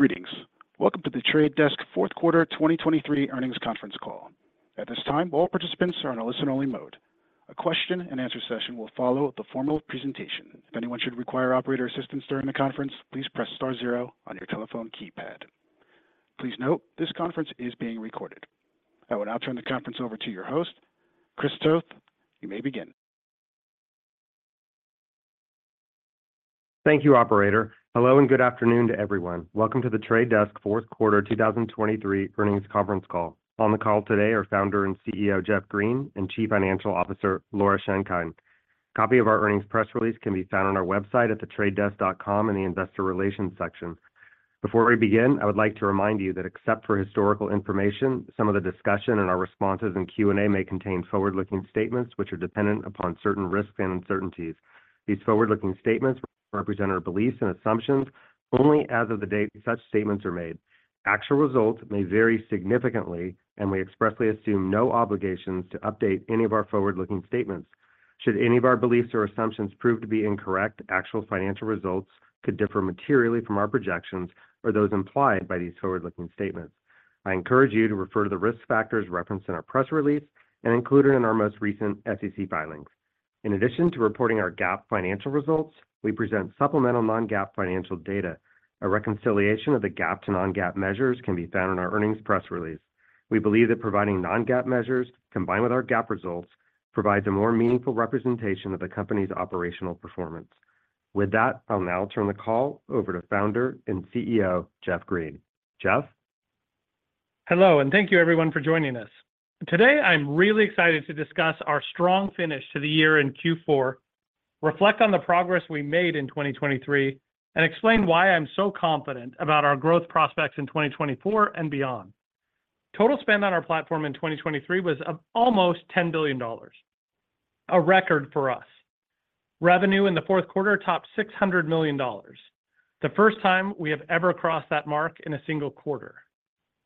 Greetings. Welcome to The Trade Desk fourth quarter 2023 earnings conference call. At this time, all participants are in a listen-only mode. A question-and-answer session will follow the formal presentation. If anyone should require operator assistance during the conference, please press star zero on your telephone keypad. Please note, this conference is being recorded. I will now turn the conference over to your host, Chris Toth. You may begin. Thank you, operator. Hello and good afternoon to everyone. Welcome to The Trade Desk fourth quarter 2023 earnings conference call. On the call today are Founder and CEO Jeff Green and Chief Financial Officer Laura Schenkein. Copy of our earnings press release can be found on our website at thetradedesk.com in the investor relations section. Before we begin, I would like to remind you that except for historical information, some of the discussion and our responses in Q&A may contain forward-looking statements which are dependent upon certain risks and uncertainties. These forward-looking statements represent our beliefs and assumptions only as of the date such statements are made. Actual results may vary significantly, and we expressly assume no obligations to update any of our forward-looking statements. Should any of our beliefs or assumptions prove to be incorrect, actual financial results could differ materially from our projections or those implied by these forward-looking statements. I encourage you to refer to the risk factors referenced in our press release and included in our most recent SEC filings. In addition to reporting our GAAP financial results, we present supplemental non-GAAP financial data. A reconciliation of the GAAP to non-GAAP measures can be found in our earnings press release. We believe that providing non-GAAP measures combined with our GAAP results provides a more meaningful representation of the company's operational performance. With that, I'll now turn the call over to Founder and CEO Jeff Green. Jeff? Hello, and thank you, everyone, for joining us. Today, I'm really excited to discuss our strong finish to the year in Q4, reflect on the progress we made in 2023, and explain why I'm so confident about our growth prospects in 2024 and beyond. Total spend on our platform in 2023 was of almost $10 billion, a record for us. Revenue in the fourth quarter topped $600 million, the first time we have ever crossed that mark in a single quarter.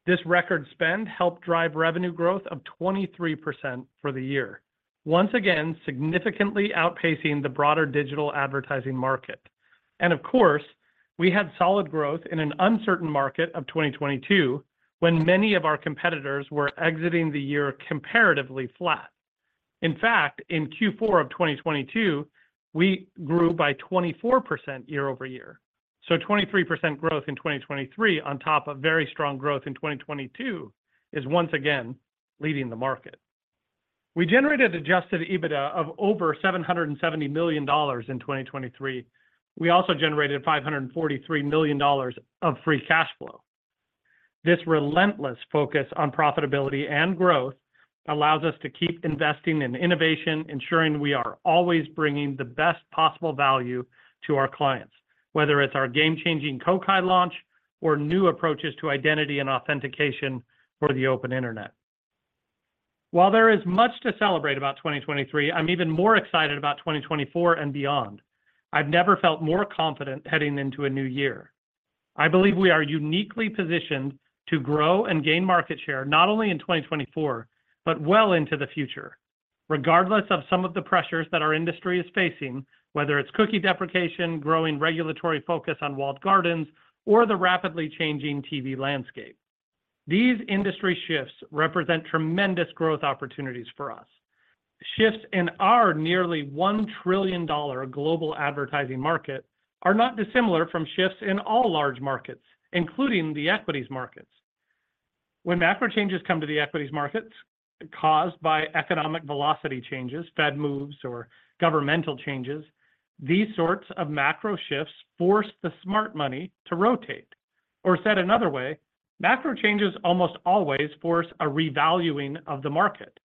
This record spend helped drive revenue growth of 23% for the year, once again significantly outpacing the broader digital advertising market. Of course, we had solid growth in an uncertain market of 2022 when many of our competitors were exiting the year comparatively flat. In fact, in Q4 of 2022, we grew by 24% year-over-year. So 23% growth in 2023 on top of very strong growth in 2022 is once again leading the market. We generated Adjusted EBITDA of over $770 million in 2023. We also generated $543 million of free cash flow. This relentless focus on profitability and growth allows us to keep investing in innovation, ensuring we are always bringing the best possible value to our clients, whether it's our game-changing Kokai launch or new approaches to identity and authentication for the open internet. While there is much to celebrate about 2023, I'm even more excited about 2024 and beyond. I've never felt more confident heading into a new year. I believe we are uniquely positioned to grow and gain market share not only in 2024 but well into the future, regardless of some of the pressures that our industry is facing, whether it's cookie deprecation, growing regulatory focus on walled gardens, or the rapidly changing TV landscape. These industry shifts represent tremendous growth opportunities for us. Shifts in our nearly $1 trillion global advertising market are not dissimilar from shifts in all large markets, including the equities markets. When macro changes come to the equities markets caused by economic velocity changes, Fed moves, or governmental changes, these sorts of macro shifts force the smart money to rotate. Or said another way, macro changes almost always force a revaluing of the market.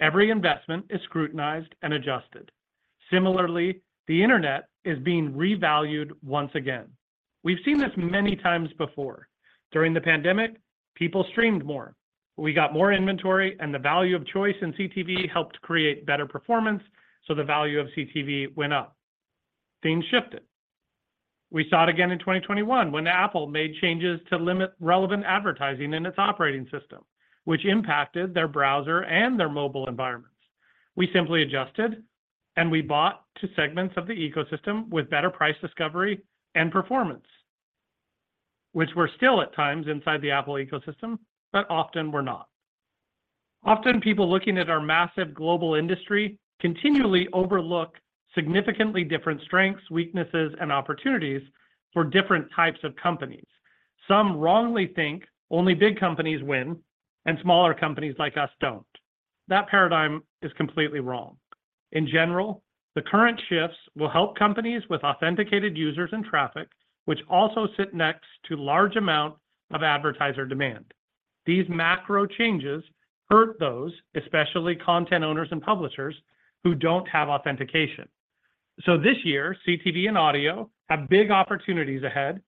Every investment is scrutinized and adjusted. Similarly, the Internet is being revalued once again. We've seen this many times before. During the pandemic, people streamed more. We got more inventory, and the value of choice in CTV helped create better performance, so the value of CTV went up. Things shifted. We saw it again in 2021 when Apple made changes to limit relevant advertising in its operating system, which impacted their browser and their mobile environments. We simply adjusted, and we bought to segments of the ecosystem with better price discovery and performance, which were still at times inside the Apple ecosystem, but often were not. Often, people looking at our massive global industry continually overlook significantly different strengths, weaknesses, and opportunities for different types of companies. Some wrongly think only big companies win, and smaller companies like us don't. That paradigm is completely wrong. In general, the current shifts will help companies with authenticated users and traffic, which also sit next to large amounts of advertiser demand. These macro changes hurt those, especially content owners and publishers, who don't have authentication. So this year, CTV and audio have big opportunities ahead,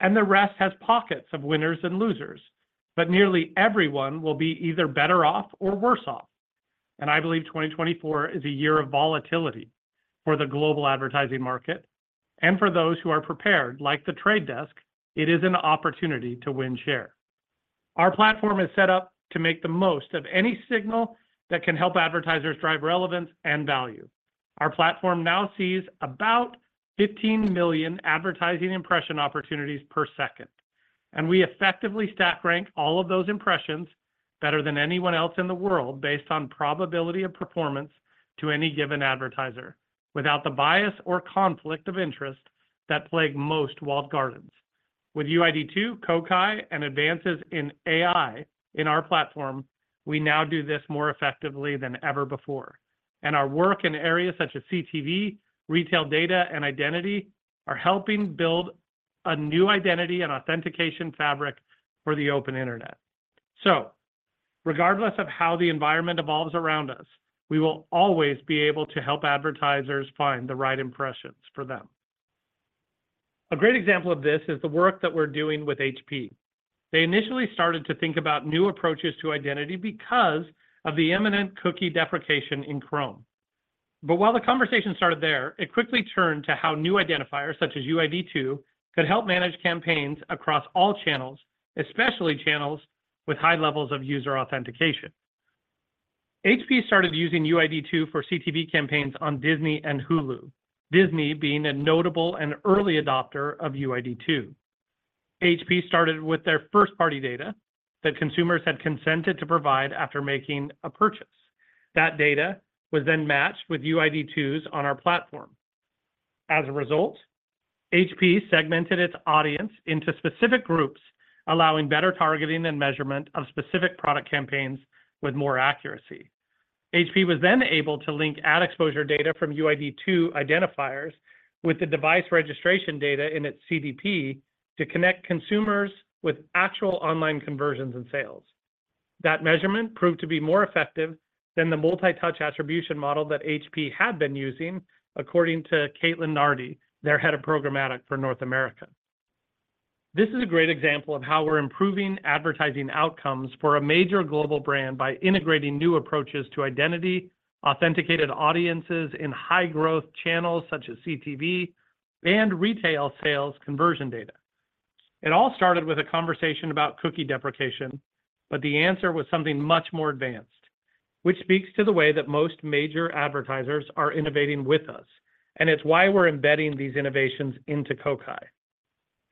and the rest has pockets of winners and losers. But nearly everyone will be either better off or worse off. And I believe 2024 is a year of volatility for the global advertising market. And for those who are prepared, like The Trade Desk, it is an opportunity to win share. Our platform is set up to make the most of any signal that can help advertisers drive relevance and value. Our platform now sees about 15 million advertising impression opportunities per second, and we effectively stack rank all of those impressions better than anyone else in the world based on probability of performance to any given advertiser, without the bias or conflict of interest that plagued most walled gardens. With UID2, Kokai, and advances in AI in our platform, we now do this more effectively than ever before. Our work in areas such as CTV, retail data, and identity are helping build a new identity and authentication fabric for the open internet. Regardless of how the environment evolves around us, we will always be able to help advertisers find the right impressions for them. A great example of this is the work that we're doing with HP. They initially started to think about new approaches to identity because of the imminent cookie deprecation in Chrome. But while the conversation started there, it quickly turned to how new identifiers such as UID2 could help manage campaigns across all channels, especially channels with high levels of user authentication. HP started using UID2 for CTV campaigns on Disney and Hulu, Disney being a notable and early adopter of UID2. HP started with their first-party data that consumers had consented to provide after making a purchase. That data was then matched with UID2s on our platform. As a result, HP segmented its audience into specific groups, allowing better targeting and measurement of specific product campaigns with more accuracy. HP was then able to link ad exposure data from UID2 identifiers with the device registration data in its CDP to connect consumers with actual online conversions and sales. That measurement proved to be more effective than the multi-touch attribution model that HP had been using, according to Caitlin Nardi, their head of programmatic for North America. This is a great example of how we're improving advertising outcomes for a major global brand by integrating new approaches to identity, authenticated audiences in high-growth channels such as CTV, and retail sales conversion data. It all started with a conversation about cookie deprecation, but the answer was something much more advanced, which speaks to the way that most major advertisers are innovating with us, and it's why we're embedding these innovations into Kokai.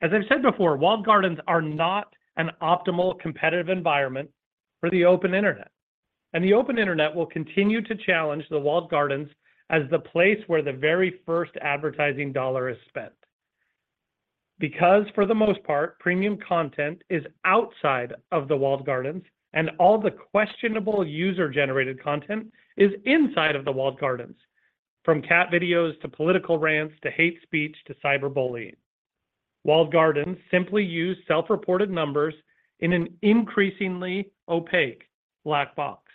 As I've said before, walled gardens are not an optimal competitive environment for the open Internet, and the open Internet will continue to challenge the walled gardens as the place where the very first advertising dollar is spent. Because for the most part, premium content is outside of the walled gardens, and all the questionable user-generated content is inside of the walled gardens, from cat videos to political rants to hate speech to cyberbullying. Walled gardens simply use self-reported numbers in an increasingly opaque black box.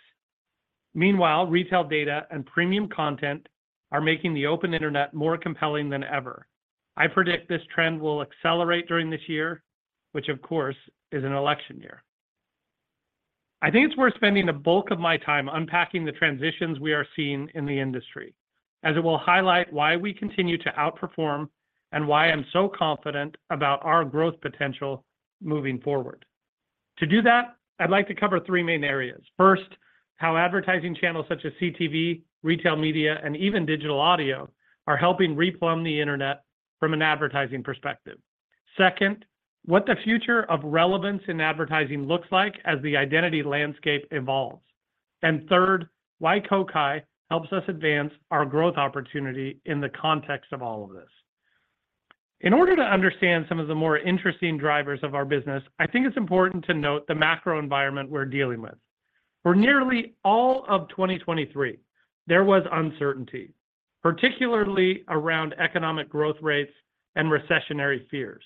Meanwhile, retail data and premium content are making the open Internet more compelling than ever. I predict this trend will accelerate during this year, which, of course, is an election year. I think it's worth spending the bulk of my time unpacking the transitions we are seeing in the industry, as it will highlight why we continue to outperform and why I'm so confident about our growth potential moving forward. To do that, I'd like to cover three main areas. First, how advertising channels such as CTV, retail media, and even digital audio are helping replumb the internet from an advertising perspective. Second, what the future of relevance in advertising looks like as the identity landscape evolves. And third, why Kokai helps us advance our growth opportunity in the context of all of this. In order to understand some of the more interesting drivers of our business, I think it's important to note the macro environment we're dealing with. For nearly all of 2023, there was uncertainty, particularly around economic growth rates and recessionary fears.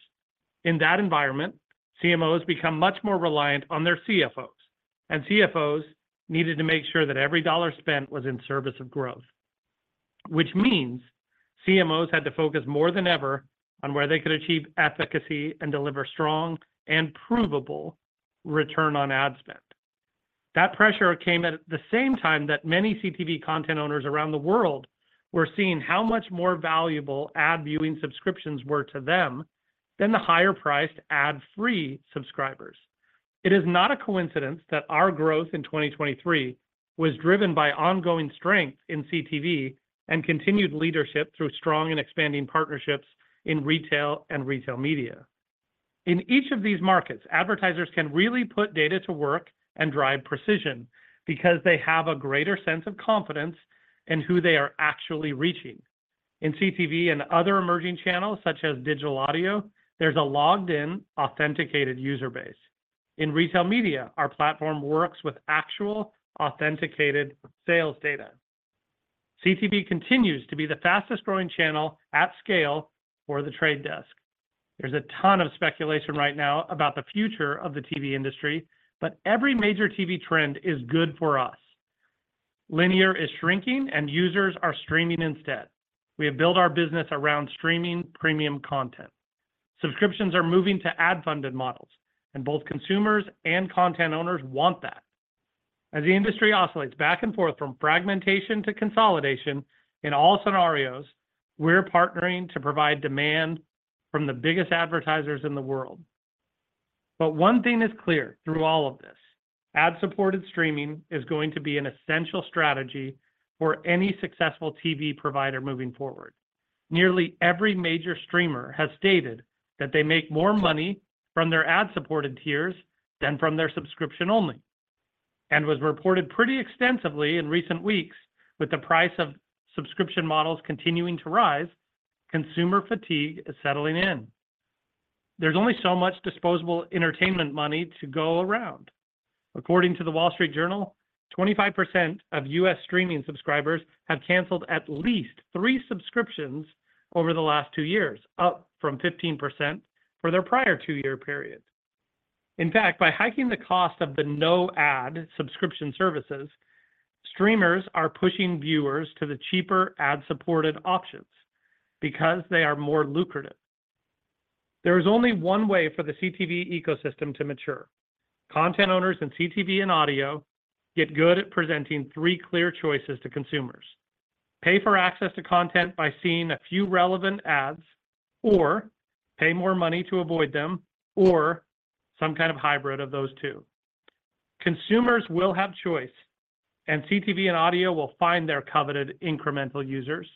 In that environment, CMOs become much more reliant on their CFOs, and CFOs needed to make sure that every dollar spent was in service of growth, which means CMOs had to focus more than ever on where they could achieve efficacy and deliver strong and provable return on ad spend. That pressure came at the same time that many CTV content owners around the world were seeing how much more valuable ad-viewing subscriptions were to them than the higher-priced ad-free subscribers. It is not a coincidence that our growth in 2023 was driven by ongoing strength in CTV and continued leadership through strong and expanding partnerships in retail and retail media. In each of these markets, advertisers can really put data to work and drive precision because they have a greater sense of confidence in who they are actually reaching. In CTV and other emerging channels such as digital audio, there's a logged-in, authenticated user base. In retail media, our platform works with actual, authenticated sales data. CTV continues to be the fastest-growing channel at scale for the Trade Desk. There's a ton of speculation right now about the future of the TV industry, but every major TV trend is good for us. Linear is shrinking, and users are streaming instead. We have built our business around streaming premium content. Subscriptions are moving to ad-funded models, and both consumers and content owners want that. As the industry oscillates back and forth from fragmentation to consolidation in all scenarios, we're partnering to provide demand from the biggest advertisers in the world. But one thing is clear through all of this: ad-supported streaming is going to be an essential strategy for any successful TV provider moving forward. Nearly every major streamer has stated that they make more money from their ad-supported tiers than from their subscription only, and was reported pretty extensively in recent weeks. With the price of subscription models continuing to rise, consumer fatigue is settling in. There's only so much disposable entertainment money to go around. According to The Wall Street Journal, 25% of U.S. streaming subscribers have canceled at least three subscriptions over the last two years, up from 15% for their prior two-year period. In fact, by hiking the cost of the no-ad subscription services, streamers are pushing viewers to the cheaper ad-supported options because they are more lucrative. There is only one way for the CTV ecosystem to mature. Content owners in CTV and audio get good at presenting three clear choices to consumers: pay for access to content by seeing a few relevant ads, or pay more money to avoid them, or some kind of hybrid of those two. Consumers will have choice, and CTV and audio will find their coveted incremental users.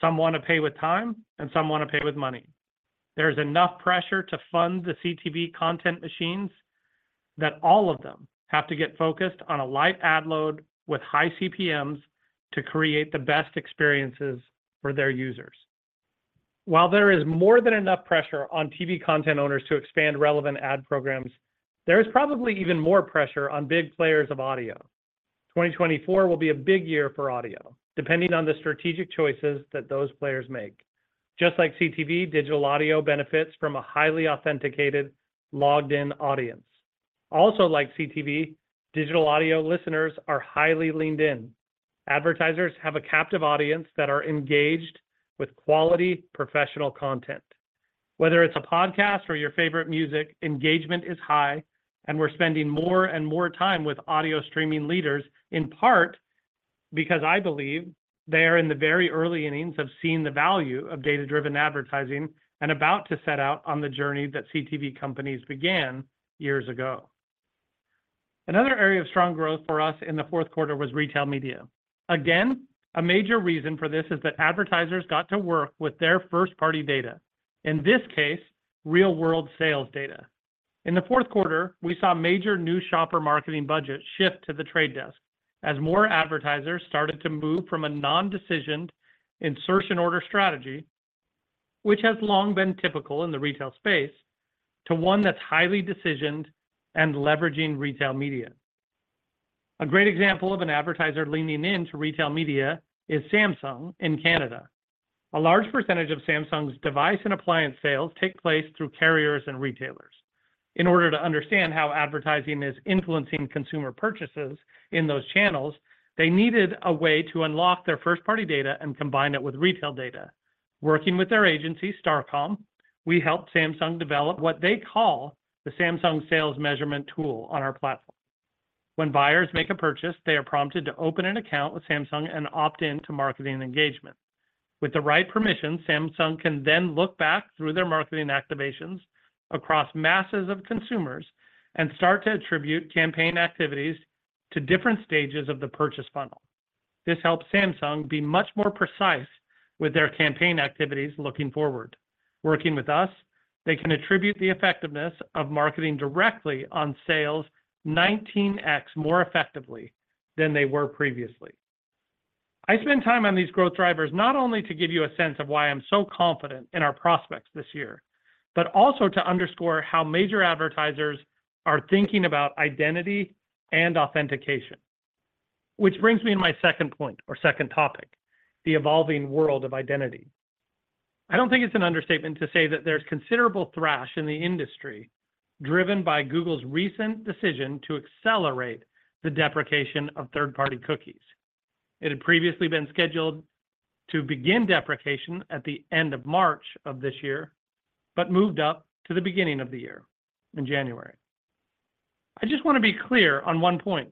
Some want to pay with time, and some want to pay with money. There is enough pressure to fund the CTV content machines that all of them have to get focused on a light ad load with high CPMs to create the best experiences for their users. While there is more than enough pressure on TV content owners to expand relevant ad programs, there is probably even more pressure on big players of audio. 2024 will be a big year for audio, depending on the strategic choices that those players make. Just like CTV, digital audio benefits from a highly authenticated, logged-in audience. Also like CTV, digital audio listeners are highly leaned in. Advertisers have a captive audience that are engaged with quality, professional content. Whether it's a podcast or your favorite music, engagement is high, and we're spending more and more time with audio streaming leaders, in part because I believe they are in the very early innings of seeing the value of data-driven advertising and about to set out on the journey that CTV companies began years ago. Another area of strong growth for us in the fourth quarter was retail media. Again, a major reason for this is that advertisers got to work with their first-party data, in this case, real-world sales data. In the fourth quarter, we saw major new shopper marketing budgets shift to The Trade Desk as more advertisers started to move from a non-decisioned insertion order strategy, which has long been typical in the retail space, to one that's highly decisioned and leveraging retail media. A great example of an advertiser leaning into retail media is Samsung in Canada. A large percentage of Samsung's device and appliance sales take place through carriers and retailers. In order to understand how advertising is influencing consumer purchases in those channels, they needed a way to unlock their first-party data and combine it with retail data. Working with their agency, Starcom, we helped Samsung develop what they call the Samsung Sales Measurement Tool on our platform. When buyers make a purchase, they are prompted to open an account with Samsung and opt in to marketing engagement. With the right permissions, Samsung can then look back through their marketing activations across masses of consumers and start to attribute campaign activities to different stages of the purchase funnel. This helps Samsung be much more precise with their campaign activities looking forward. Working with us, they can attribute the effectiveness of marketing directly on sales 19x more effectively than they were previously. I spend time on these growth drivers not only to give you a sense of why I'm so confident in our prospects this year, but also to underscore how major advertisers are thinking about identity and authentication, which brings me to my second point or second topic, the evolving world of identity. I don't think it's an understatement to say that there's considerable thrash in the industry driven by Google's recent decision to accelerate the deprecation of third-party cookies. It had previously been scheduled to begin deprecation at the end of March of this year, but moved up to the beginning of the year in January. I just want to be clear on one point.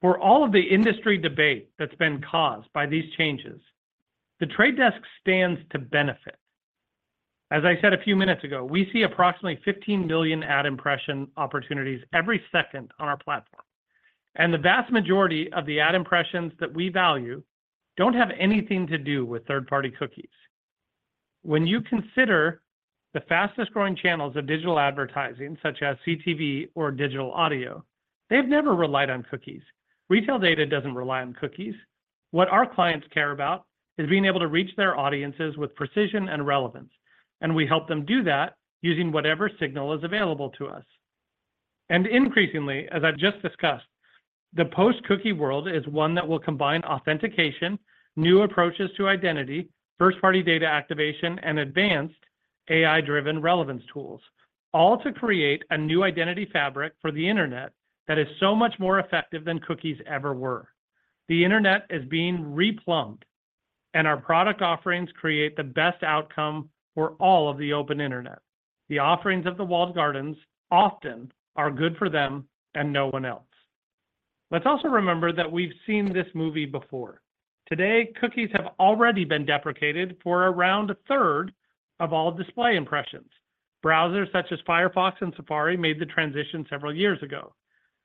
For all of the industry debate that's been caused by these changes, The Trade Desk stands to benefit. As I said a few minutes ago, we see approximately 15 million ad impression opportunities every second on our platform, and the vast majority of the ad impressions that we value don't have anything to do with third-party cookies. When you consider the fastest-growing channels of digital advertising, such as CTV or digital audio, they've never relied on cookies. Retail data doesn't rely on cookies. What our clients care about is being able to reach their audiences with precision and relevance, and we help them do that using whatever signal is available to us. Increasingly, as I've just discussed, the post-cookie world is one that will combine authentication, new approaches to identity, first-party data activation, and advanced AI-driven relevance tools, all to create a new identity fabric for the Internet that is so much more effective than cookies ever were. The Internet is being replumbed, and our product offerings create the best outcome for all of the open Internet. The offerings of the walled gardens often are good for them and no one else. Let's also remember that we've seen this movie before. Today, cookies have already been deprecated for around a third of all display impressions. Browsers such as Firefox and Safari made the transition several years ago.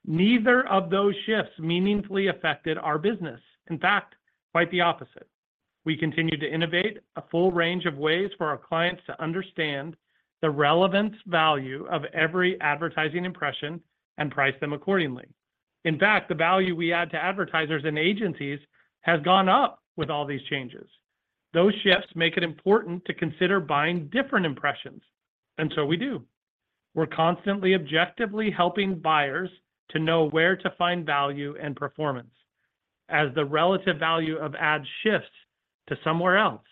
Neither of those shifts meaningfully affected our business. In fact, quite the opposite. We continue to innovate a full range of ways for our clients to understand the relevance value of every advertising impression and price them accordingly. In fact, the value we add to advertisers and agencies has gone up with all these changes. Those shifts make it important to consider buying different impressions, and so we do. We're constantly objectively helping buyers to know where to find value and performance. As the relative value of ads shifts to somewhere else,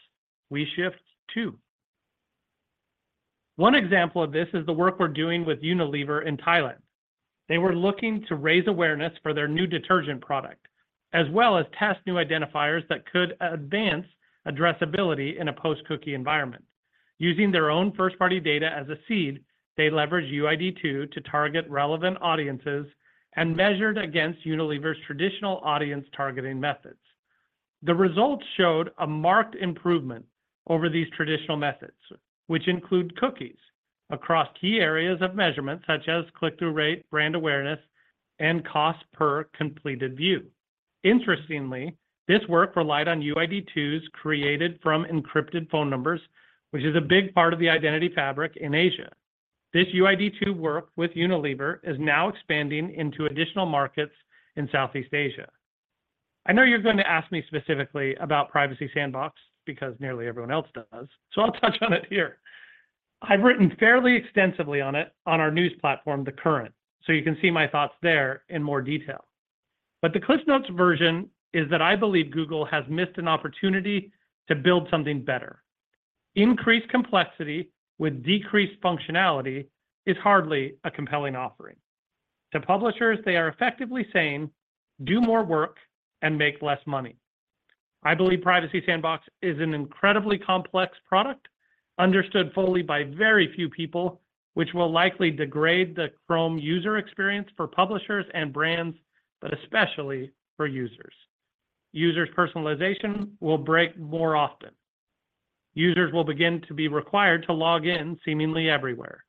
we shift too. One example of this is the work we're doing with Unilever in Thailand. They were looking to raise awareness for their new detergent product, as well as test new identifiers that could advance addressability in a post-cookie environment. Using their own first-party data as a seed, they leveraged UID2 to target relevant audiences and measured against Unilever's traditional audience targeting methods. The results showed a marked improvement over these traditional methods, which include cookies across key areas of measurement such as click-through rate, brand awareness, and cost per completed view. Interestingly, this work relied on UID2s created from encrypted phone numbers, which is a big part of the identity fabric in Asia. This UID2 work with Unilever is now expanding into additional markets in Southeast Asia. I know you're going to ask me specifically about Privacy Sandbox because nearly everyone else does, so I'll touch on it here. I've written fairly extensively on it on our news platform, The Current, so you can see my thoughts there in more detail. But the CliffsNotes version is that I believe Google has missed an opportunity to build something better. Increased complexity with decreased functionality is hardly a compelling offering. To publishers, they are effectively saying, do more work and make less money. I believe Privacy Sandbox is an incredibly complex product, understood fully by very few people, which will likely degrade the Chrome user experience for publishers and brands, but especially for users. Users' personalization will break more often. Users will begin to be required to log in seemingly everywhere.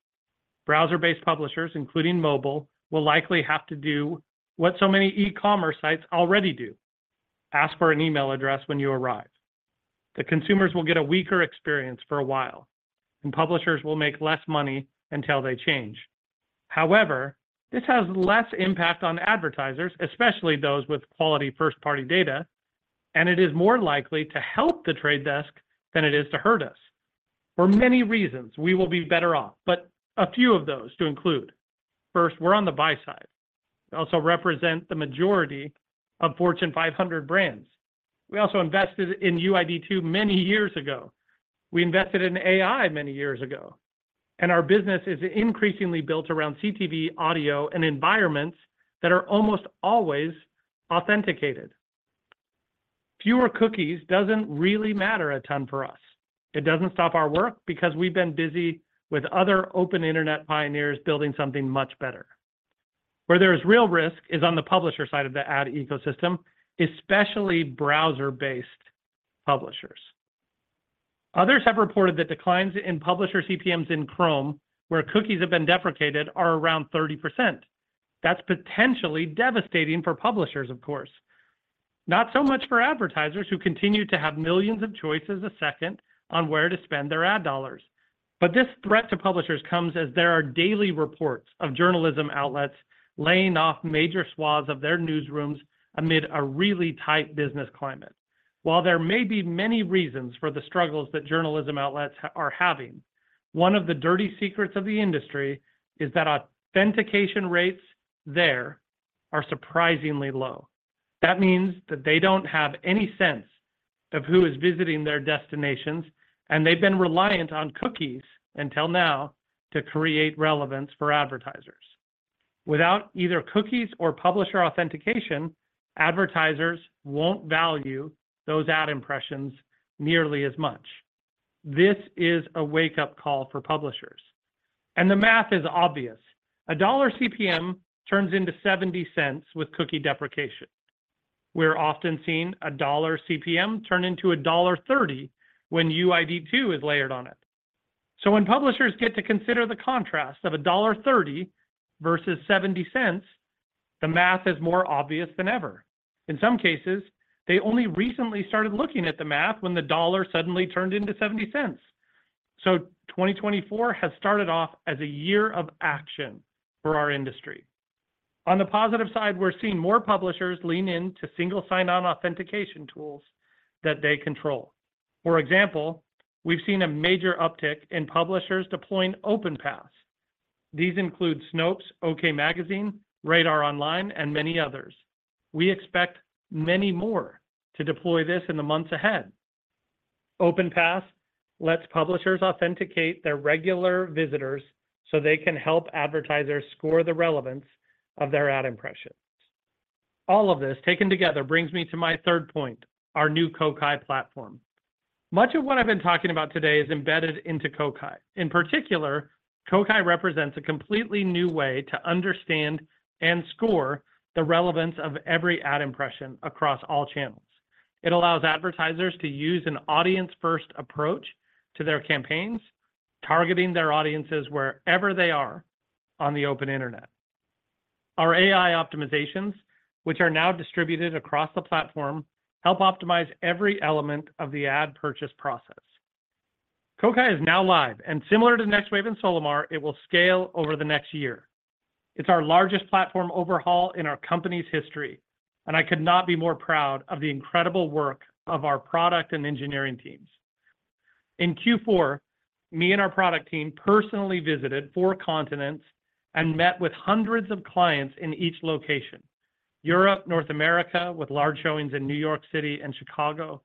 Browser-based publishers, including mobile, will likely have to do what so many e-commerce sites already do: ask for an email address when you arrive. The consumers will get a weaker experience for a while, and publishers will make less money until they change. However, this has less impact on advertisers, especially those with quality first-party data, and it is more likely to help The Trade Desk than it is to hurt us. For many reasons, we will be better off, but a few of those to include. First, we're on the buy side. We also represent the majority of Fortune 500 brands. We also invested in UID2 many years ago. We invested in AI many years ago, and our business is increasingly built around CTV, audio, and environments that are almost always authenticated. Fewer cookies doesn't really matter a ton for us. It doesn't stop our work because we've been busy with other open internet pioneers building something much better. Where there is real risk is on the publisher side of the ad ecosystem, especially browser-based publishers. Others have reported that declines in publisher CPMs in Chrome where cookies have been deprecated are around 30%. That's potentially devastating for publishers, of course. Not so much for advertisers who continue to have millions of choices a second on where to spend their ad dollars. But this threat to publishers comes as there are daily reports of journalism outlets laying off major swaths of their newsrooms amid a really tight business climate. While there may be many reasons for the struggles that journalism outlets are having, one of the dirty secrets of the industry is that authentication rates there are surprisingly low. That means that they don't have any sense of who is visiting their destinations, and they've been reliant on cookies until now to create relevance for advertisers. Without either cookies or publisher authentication, advertisers won't value those ad impressions nearly as much. This is a wake-up call for publishers, and the math is obvious. A $1 CPM turns into $0.70 with cookie deprecation. We're often seeing a $1 CPM turn into a $1.30 when UID2 is layered on it. So when publishers get to consider the contrast of a $1.30 versus $0.70, the math is more obvious than ever. In some cases, they only recently started looking at the math when the dollar suddenly turned into $0.70. So 2024 has started off as a year of action for our industry. On the positive side, we're seeing more publishers lean into single sign-on authentication tools that they control. For example, we've seen a major uptick in publishers deploying OpenPath. These include Snopes, OK Magazine, Radar Online, and many others. We expect many more to deploy this in the months ahead. OpenPath lets publishers authenticate their regular visitors so they can help advertisers score the relevance of their ad impressions. All of this taken together brings me to my third point, our new Kokai platform. Much of what I've been talking about today is embedded into Kokai. In particular, Kokai represents a completely new way to understand and score the relevance of every ad impression across all channels. It allows advertisers to use an audience-first approach to their campaigns, targeting their audiences wherever they are on the open internet. Our AI optimizations, which are now distributed across the platform, help optimize every element of the ad purchase process. Kokai is now live, and similar to Next Wave and Solimar, it will scale over the next year. It's our largest platform overhaul in our company's history, and I could not be more proud of the incredible work of our product and engineering teams. In Q4, me and our product team personally visited four continents and met with hundreds of clients in each location: Europe, North America, with large showings in New York City and Chicago,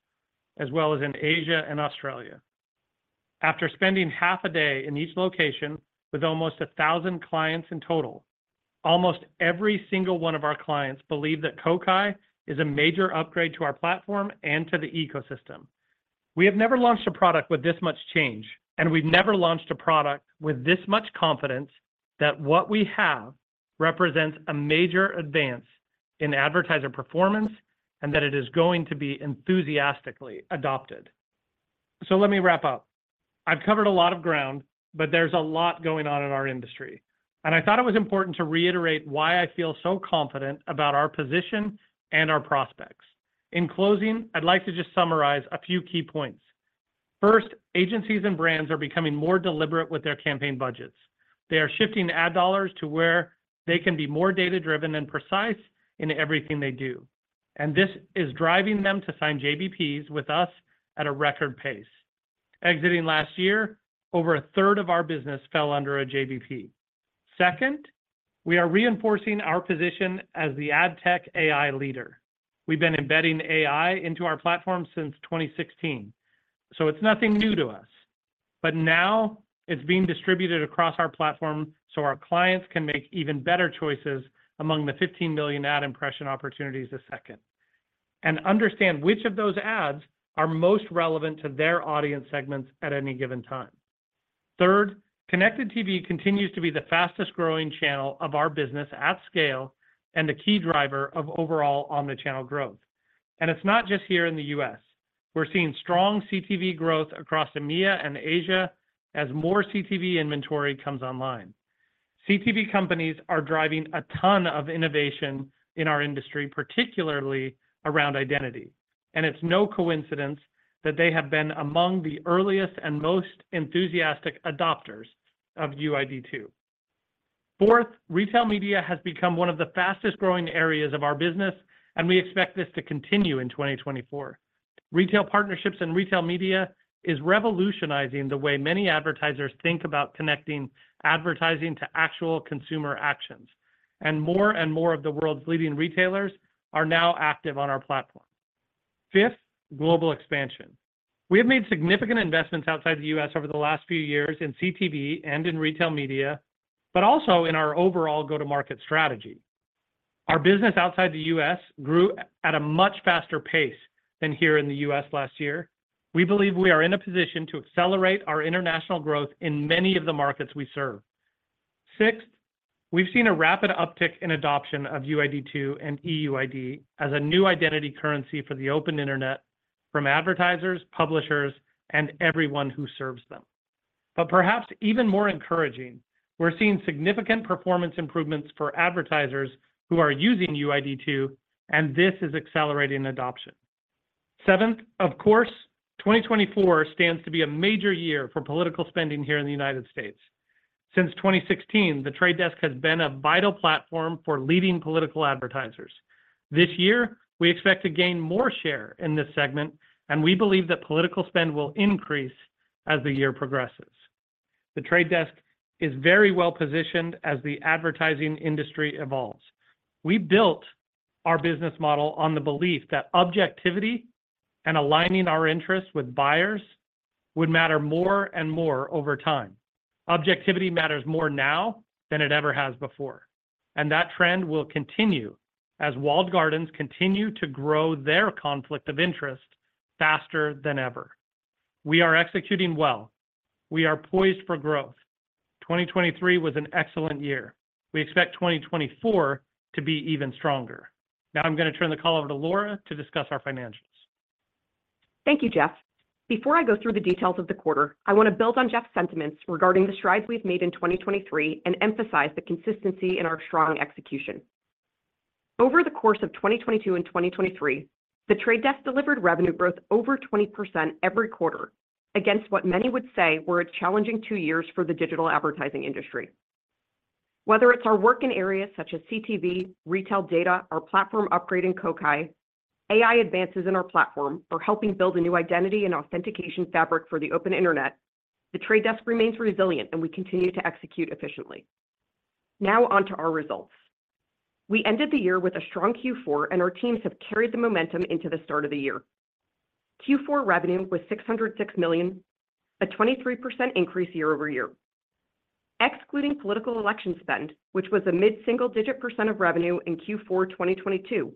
as well as in Asia and Australia. After spending half a day in each location with almost 1,000 clients in total, almost every single one of our clients believed that Kokai is a major upgrade to our platform and to the ecosystem. We have never launched a product with this much change, and we've never launched a product with this much confidence that what we have represents a major advance in advertiser performance and that it is going to be enthusiastically adopted. So let me wrap up. I've covered a lot of ground, but there's a lot going on in our industry, and I thought it was important to reiterate why I feel so confident about our position and our prospects. In closing, I'd like to just summarize a few key points. First, agencies and brands are becoming more deliberate with their campaign budgets. They are shifting ad dollars to where they can be more data-driven and precise in everything they do, and this is driving them to sign JBPs with us at a record pace. Exiting last year, over a third of our business fell under a JBP. Second, we are reinforcing our position as the ad tech AI leader. We've been embedding AI into our platform since 2016, so it's nothing new to us, but now it's being distributed across our platform so our clients can make even better choices among the 15 million ad impression opportunities a second and understand which of those ads are most relevant to their audience segments at any given time. Third, connected TV continues to be the fastest-growing channel of our business at scale and a key driver of overall omnichannel growth, and it's not just here in the U.S. We're seeing strong CTV growth across EMEA and Asia as more CTV inventory comes online. CTV companies are driving a ton of innovation in our industry, particularly around identity, and it's no coincidence that they have been among the earliest and most enthusiastic adopters of UID2. Fourth, retail media has become one of the fastest-growing areas of our business, and we expect this to continue in 2024. Retail partnerships and retail media are revolutionizing the way many advertisers think about connecting advertising to actual consumer actions, and more and more of the world's leading retailers are now active on our platform. Fifth, global expansion. We have made significant investments outside the U.S. over the last few years in CTV and in retail media, but also in our overall go-to-market strategy. Our business outside the U.S. grew at a much faster pace than here in the U.S. last year. We believe we are in a position to accelerate our international growth in many of the markets we serve. Sixth, we've seen a rapid uptick in adoption of UID2 and EUID as a new identity currency for the open Internet from advertisers, publishers, and everyone who serves them. But perhaps even more encouraging, we're seeing significant performance improvements for advertisers who are using UID2, and this is accelerating adoption. Seventh, of course, 2024 stands to be a major year for political spending here in the United States. Since 2016, The Trade Desk has been a vital platform for leading political advertisers. This year, we expect to gain more share in this segment, and we believe that political spend will increase as the year progresses. The Trade Desk is very well positioned as the advertising industry evolves. We built our business model on the belief that objectivity and aligning our interests with buyers would matter more and more over time. Objectivity matters more now than it ever has before, and that trend will continue as walled gardens continue to grow their conflict of interest faster than ever. We are executing well. We are poised for growth. 2023 was an excellent year. We expect 2024 to be even stronger. Now I'm going to turn the call over to Laura to discuss our financials. Thank you, Jeff. Before I go through the details of the quarter, I want to build on Jeff's sentiments regarding the strides we've made in 2023 and emphasize the consistency in our strong execution. Over the course of 2022 and 2023, The Trade Desk delivered revenue growth over 20% every quarter against what many would say were a challenging two years for the digital advertising industry. Whether it's our work in areas such as CTV, retail data, our platform upgrade in Kokai, AI advances in our platform for helping build a new identity and authentication fabric for the open internet, The Trade Desk remains resilient, and we continue to execute efficiently. Now onto our results. We ended the year with a strong Q4, and our teams have carried the momentum into the start of the year. Q4 revenue was $606 million, a 23% increase year-over-year. Excluding political election spend, which was a mid-single-digit percent of revenue in Q4 2022,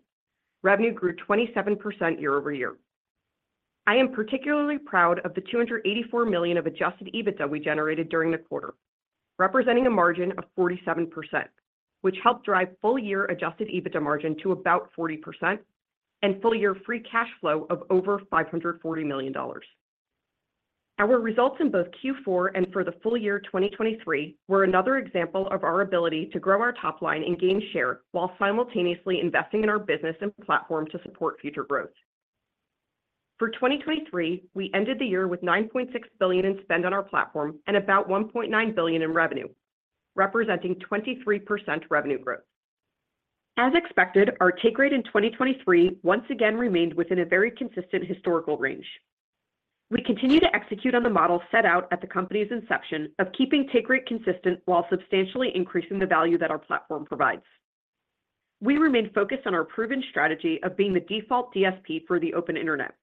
revenue grew 27% year-over-year. I am particularly proud of the $284 million of Adjusted EBITDA we generated during the quarter, representing a margin of 47%, which helped drive full-year Adjusted EBITDA margin to about 40% and full-year free cash flow of over $540 million. Our results in both Q4 and for the full year 2023 were another example of our ability to grow our top line and gain share while simultaneously investing in our business and platform to support future growth. For 2023, we ended the year with $9.6 billion in spend on our platform and about $1.9 billion in revenue, representing 23% revenue growth. As expected, our take rate in 2023 once again remained within a very consistent historical range. We continue to execute on the model set out at the company's inception of keeping take rate consistent while substantially increasing the value that our platform provides. We remain focused on our proven strategy of being the default DSP for the open Internet,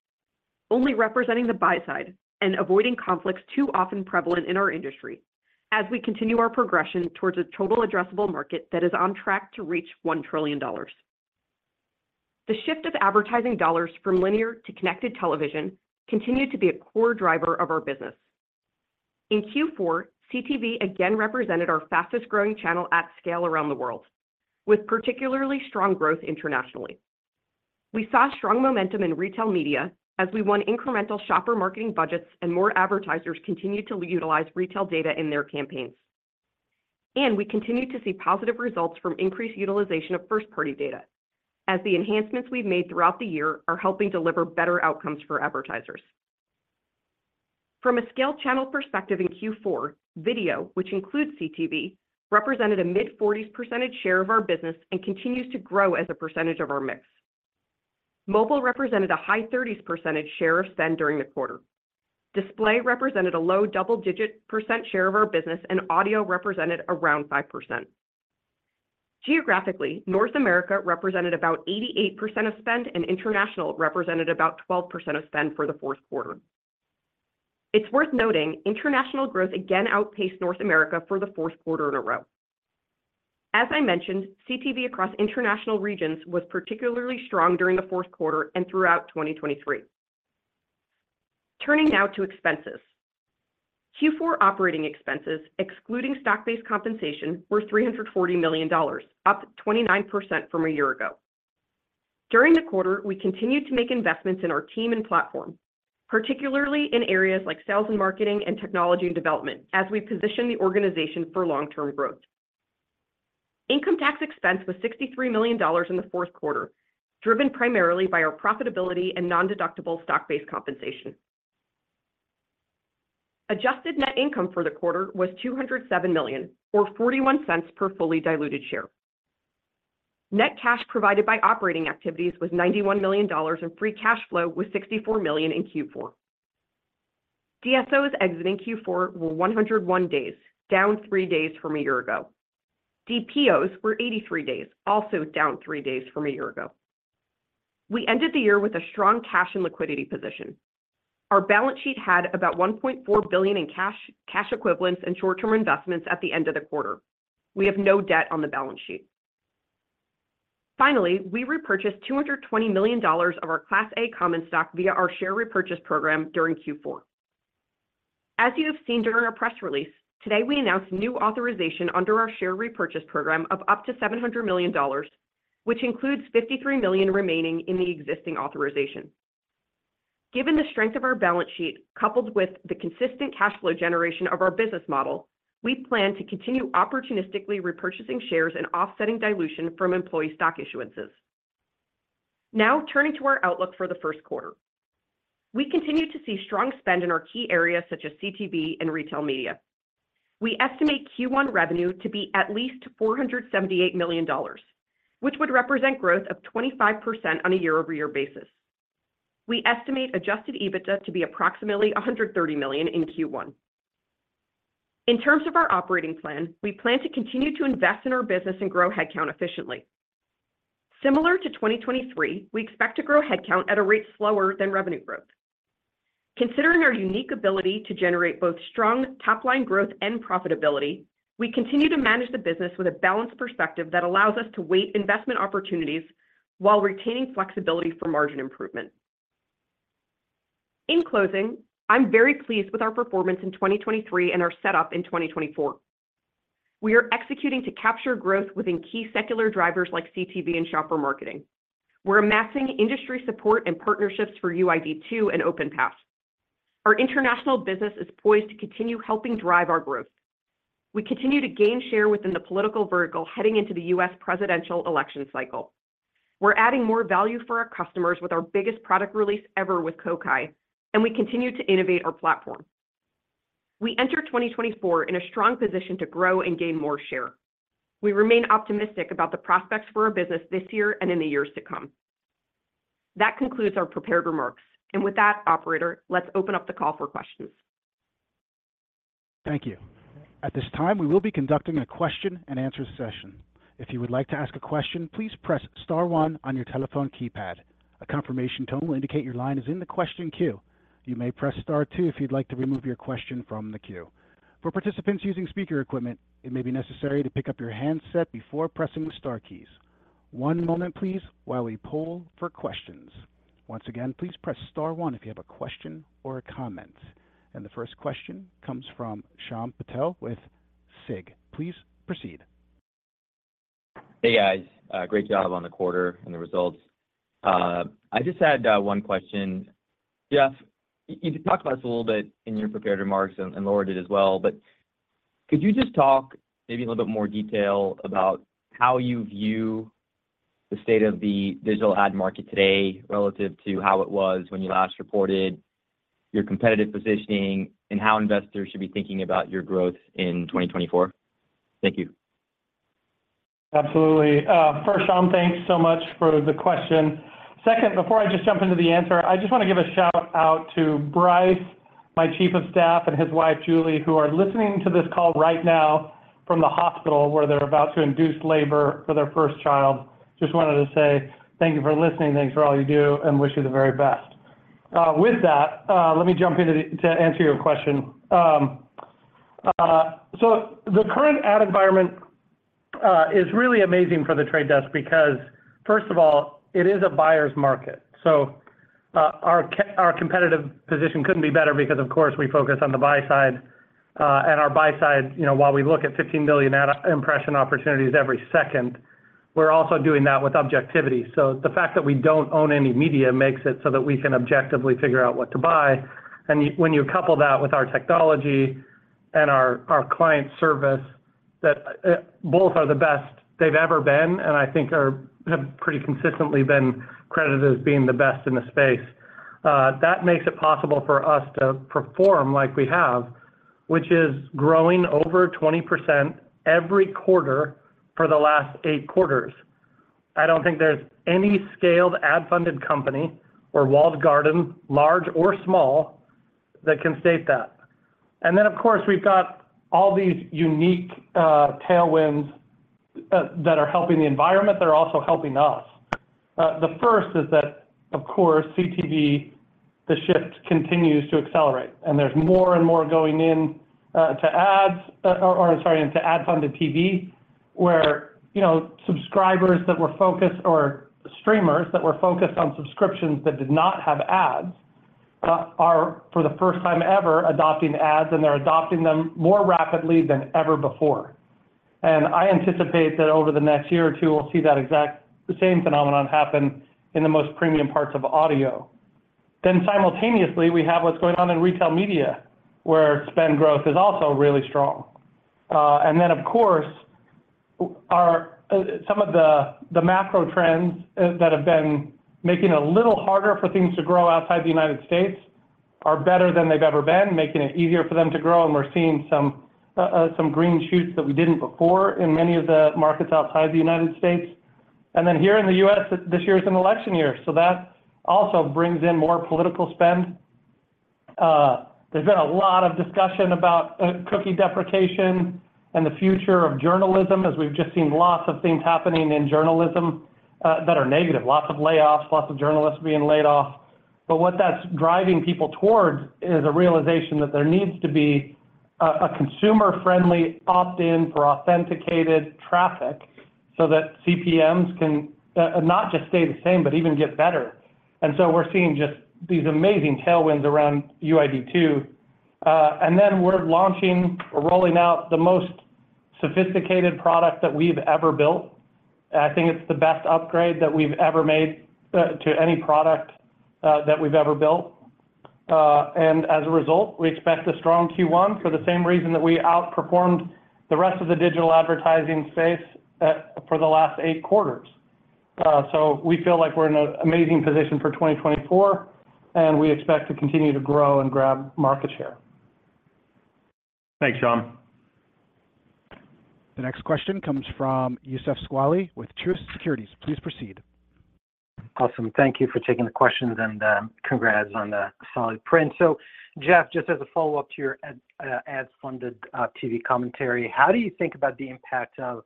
only representing the buy side and avoiding conflicts too often prevalent in our industry as we continue our progression towards a total addressable market that is on track to reach $1 trillion. The shift of advertising dollars from linear to connected television continued to be a core driver of our business. In Q4, CTV again represented our fastest-growing channel at scale around the world, with particularly strong growth internationally. We saw strong momentum in retail media as we won incremental shopper marketing budgets and more advertisers continued to utilize retail data in their campaigns. We continue to see positive results from increased utilization of first-party data, as the enhancements we've made throughout the year are helping deliver better outcomes for advertisers. From a scale channel perspective in Q4, video, which includes CTV, represented a mid-40s% share of our business and continues to grow as a percentage of our mix. Mobile represented a high 30s% share of spend during the quarter. Display represented a low double-digit% share of our business, and audio represented around 5%. Geographically, North America represented about 88% of spend, and international represented about 12% of spend for the fourth quarter. It's worth noting international growth again outpaced North America for the fourth quarter in a row. As I mentioned, CTV across international regions was particularly strong during the fourth quarter and throughout 2023. Turning now to expenses. Q4 operating expenses, excluding stock-based compensation, were $340 million, up 29% from a year ago. During the quarter, we continued to make investments in our team and platform, particularly in areas like sales and marketing and technology and development, as we positioned the organization for long-term growth. Income tax expense was $63 million in the fourth quarter, driven primarily by our profitability and non-deductible stock-based compensation. Adjusted net income for the quarter was $207 million, or $0.41 per fully diluted share. Net cash provided by operating activities was $91 million, and free cash flow was $64 million in Q4. DSOs exiting Q4 were 101 days, down three days from a year ago. DPOs were 83 days, also down three days from a year ago. We ended the year with a strong cash and liquidity position. Our balance sheet had about $1.4 billion in cash equivalents and short-term investments at the end of the quarter. We have no debt on the balance sheet. Finally, we repurchased $220 million of our Class A common stock via our share repurchase program during Q4. As you have seen during our press release, today we announced new authorization under our share repurchase program of up to $700 million, which includes $53 million remaining in the existing authorization. Given the strength of our balance sheet, coupled with the consistent cash flow generation of our business model, we plan to continue opportunistically repurchasing shares and offsetting dilution from employee stock issuances. Now turning to our outlook for the first quarter. We continue to see strong spend in our key areas such as CTV and retail media. We estimate Q1 revenue to be at least $478 million, which would represent growth of 25% on a year-over-year basis. We estimate Adjusted EBITDA to be approximately $130 million in Q1. In terms of our operating plan, we plan to continue to invest in our business and grow headcount efficiently. Similar to 2023, we expect to grow headcount at a rate slower than revenue growth. Considering our unique ability to generate both strong top-line growth and profitability, we continue to manage the business with a balanced perspective that allows us to weight investment opportunities while retaining flexibility for margin improvement. In closing, I'm very pleased with our performance in 2023 and our setup in 2024. We are executing to capture growth within key secular drivers like CTV and shopper marketing. We're amassing industry support and partnerships for UID2 and OpenPath. Our international business is poised to continue helping drive our growth. We continue to gain share within the political vertical heading into the U.S. presidential election cycle. We're adding more value for our customers with our biggest product release ever with Kokai, and we continue to innovate our platform. We enter 2024 in a strong position to grow and gain more share. We remain optimistic about the prospects for our business this year and in the years to come. That concludes our prepared remarks. And with that, operator, let's open up the call for questions. Thank you. At this time, we will be conducting a question-and-answer session. If you would like to ask a question, please press star one on your telephone keypad. A confirmation tone will indicate your line is in the question queue. You may press star two if you'd like to remove your question from the queue. For participants using speaker equipment, it may be necessary to pick up your handset before pressing the star keys. One moment, please, while we pull for questions. Once again, please press star one if you have a question or a comment. The first question comes from Shyam Patil with SIG. Please proceed. Hey, guys. Great job on the quarter and the results. I just had one question. Jeff, you talked about this a little bit in your prepared remarks, and Laura did as well, but could you just talk maybe in a little bit more detail about how you view the state of the digital ad market today relative to how it was when you last reported, your competitive positioning, and how investors should be thinking about your growth in 2024? Thank you. Absolutely. First, Shyam, thanks so much for the question. Second, before I just jump into the answer, I just want to give a shout-out to Bryce, my chief of staff, and his wife, Julie, who are listening to this call right now from the hospital where they're about to induce labor for their first child. Just wanted to say thank you for listening. Thanks for all you do, and wish you the very best. With that, let me jump in to answer your question. So the current ad environment is really amazing for The Trade Desk because, first of all, it is a buyer's market. So our competitive position couldn't be better because, of course, we focus on the buy side. And our buy side, while we look at 15 million impression opportunities every second, we're also doing that with objectivity. So the fact that we don't own any media makes it so that we can objectively figure out what to buy. And when you couple that with our technology and our client service, that both are the best they've ever been and I think have pretty consistently been credited as being the best in the space. That makes it possible for us to perform like we have, which is growing over 20% every quarter for the last eight quarters. I don't think there's any scaled ad-funded company or walled garden, large or small, that can state that. And then, of course, we've got all these unique tailwinds that are helping the environment. They're also helping us. The first is that, of course, CTV, the shift continues to accelerate. And there's more and more going in to ads or, I'm sorry, into ad-funded TV, where subscribers that were focused or streamers that were focused on subscriptions that did not have ads are, for the first time ever, adopting ads, and they're adopting them more rapidly than ever before. And I anticipate that over the next year or two, we'll see that exact same phenomenon happen in the most premium parts of audio. Then simultaneously, we have what's going on in retail media, where spend growth is also really strong. And then, of course, some of the macro trends that have been making it a little harder for things to grow outside the United States are better than they've ever been, making it easier for them to grow. And we're seeing some green shoots that we didn't before in many of the markets outside the United States. And then here in the U.S., this year is an election year, so that also brings in more political spend. There's been a lot of discussion about cookie deprecation and the future of journalism, as we've just seen lots of things happening in journalism that are negative, lots of layoffs, lots of journalists being laid off. But what that's driving people towards is a realization that there needs to be a consumer-friendly opt-in for authenticated traffic so that CPMs can not just stay the same but even get better. And so we're seeing just these amazing tailwinds around UID2. And then we're launching or rolling out the most sophisticated product that we've ever built. I think it's the best upgrade that we've ever made to any product that we've ever built. As a result, we expect a strong Q1 for the same reason that we outperformed the rest of the digital advertising space for the last eight quarters. So we feel like we're in an amazing position for 2024, and we expect to continue to grow and grab market share. Thanks, Shyam. The next question comes from Youssef Squali with Truist Securities. Please proceed. Awesome. Thank you for taking the questions, and congrats on the solid print. So, Jeff, just as a follow-up to your ad-funded TV commentary, how do you think about the impact of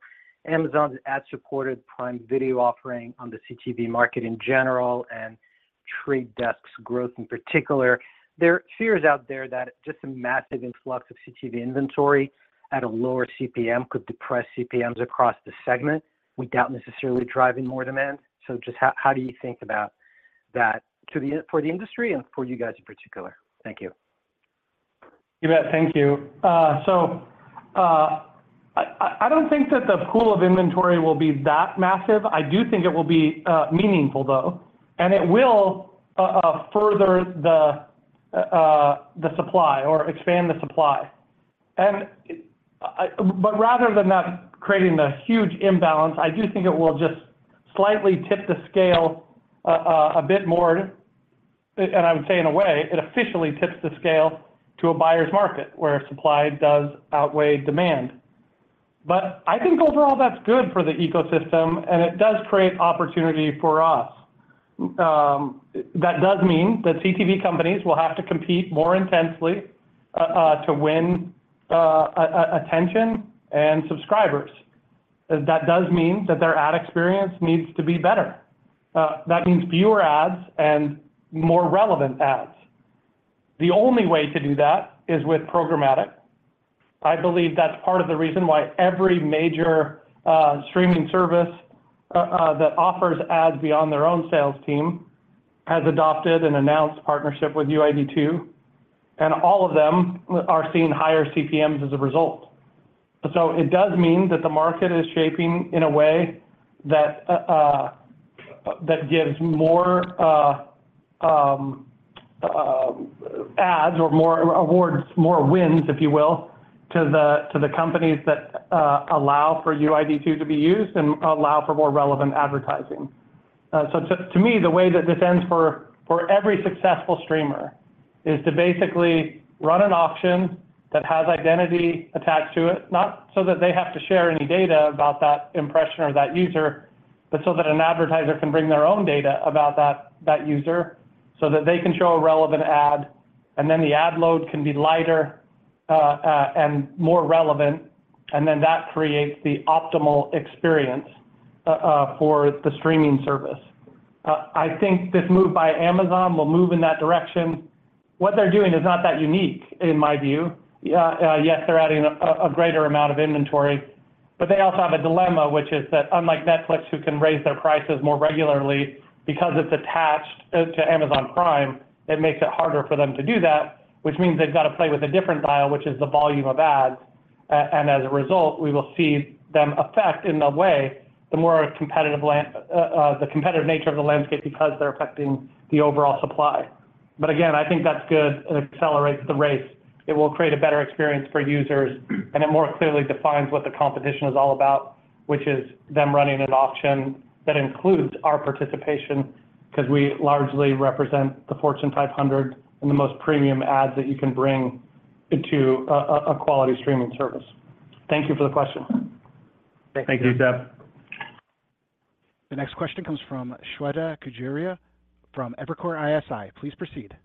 Amazon's ad-supported Prime Video offering on the CTV market in general and The Trade Desk's growth in particular? There are fears out there that just a massive influx of CTV inventory at a lower CPM could depress CPMs across the segment without necessarily driving more demand. So just how do you think about that for the industry and for you guys in particular? Thank you. Yeah, thank you. So I don't think that the pool of inventory will be that massive. I do think it will be meaningful, though, and it will further the supply or expand the supply. But rather than that creating a huge imbalance, I do think it will just slightly tip the scale a bit more. And I would say, in a way, it officially tips the scale to a buyer's market where supply does outweigh demand. But I think overall, that's good for the ecosystem, and it does create opportunity for us. That does mean that CTV companies will have to compete more intensely to win attention and subscribers. That does mean that their ad experience needs to be better. That means fewer ads and more relevant ads. The only way to do that is with programmatic. I believe that's part of the reason why every major streaming service that offers ads beyond their own sales team has adopted an announced partnership with UID2. All of them are seeing higher CPMs as a result. It does mean that the market is shaping in a way that gives more ads or awards more wins, if you will, to the companies that allow for UID2 to be used and allow for more relevant advertising. To me, the way that this ends for every successful streamer is to basically run an auction that has identity attached to it, not so that they have to share any data about that impression or that user, but so that an advertiser can bring their own data about that user so that they can show a relevant ad. Then the ad load can be lighter and more relevant, and then that creates the optimal experience for the streaming service. I think this move by Amazon will move in that direction. What they're doing is not that unique, in my view. Yes, they're adding a greater amount of inventory. But they also have a dilemma, which is that, unlike Netflix, who can raise their prices more regularly because it's attached to Amazon Prime, it makes it harder for them to do that, which means they've got to play with a different dial, which is the volume of ads. And as a result, we will see them affect in a way the more competitive nature of the landscape because they're affecting the overall supply. But again, I think that's good. It accelerates the race. It will create a better experience for users, and it more clearly defines what the competition is all about, which is them running an auction that includes our participation because we largely represent the Fortune 500 and the most premium ads that you can bring into a quality streaming service. Thank you for the question. Thank you, Jeff. The next question comes from Shweta Khajuria from Evercore ISI. Please proceed.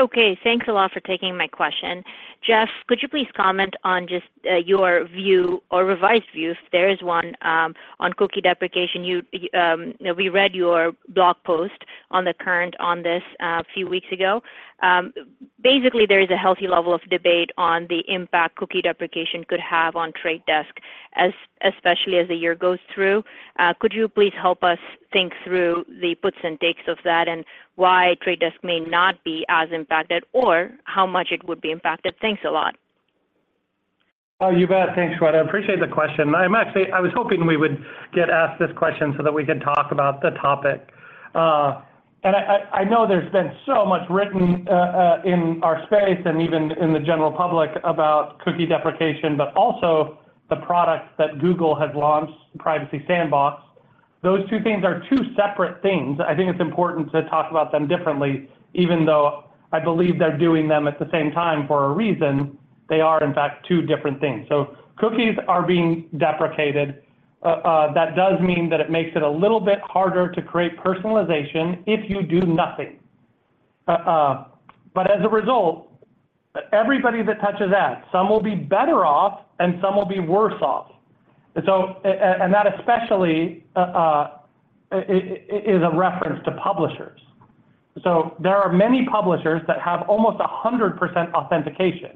Okay. Thanks a lot for taking my question. Jeff, could you please comment on just your view or revised view, if there is one, on cookie deprecation? We read your blog post on The Current on this a few weeks ago. Basically, there is a healthy level of debate on the impact cookie deprecation could have on The Trade Desk, especially as the year goes through. Could you please help us think through the puts and takes of that and why Trade Desk may not be as impacted or how much it would be impacted? Thanks a lot. Oh, you bet. Thanks, Shweta. I appreciate the question. I was hoping we would get asked this question so that we could talk about the topic. I know there's been so much written in our space and even in the general public about cookie deprecation, but also the product that Google has launched, Privacy Sandbox. Those two things are two separate things. I think it's important to talk about them differently, even though I believe they're doing them at the same time for a reason. They are, in fact, two different things. Cookies are being deprecated. That does mean that it makes it a little bit harder to create personalization if you do nothing. But as a result, everybody that touches ads, some will be better off and some will be worse off. And that especially is a reference to publishers. So there are many publishers that have almost 100% authentication.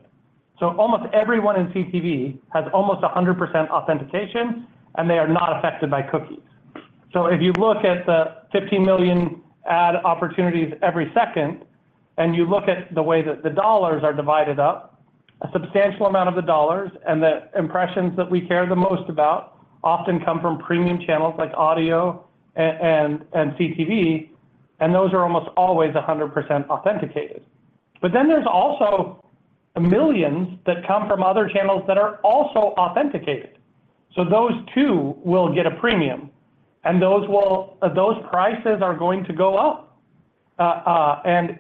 So almost everyone in CTV has almost 100% authentication, and they are not affected by cookies. So if you look at the 15 million ad opportunities every second and you look at the way that the dollars are divided up, a substantial amount of the dollars and the impressions that we care the most about often come from premium channels like audio and CTV, and those are almost always 100% authenticated. But then there's also millions that come from other channels that are also authenticated. So those two will get a premium, and those prices are going to go up.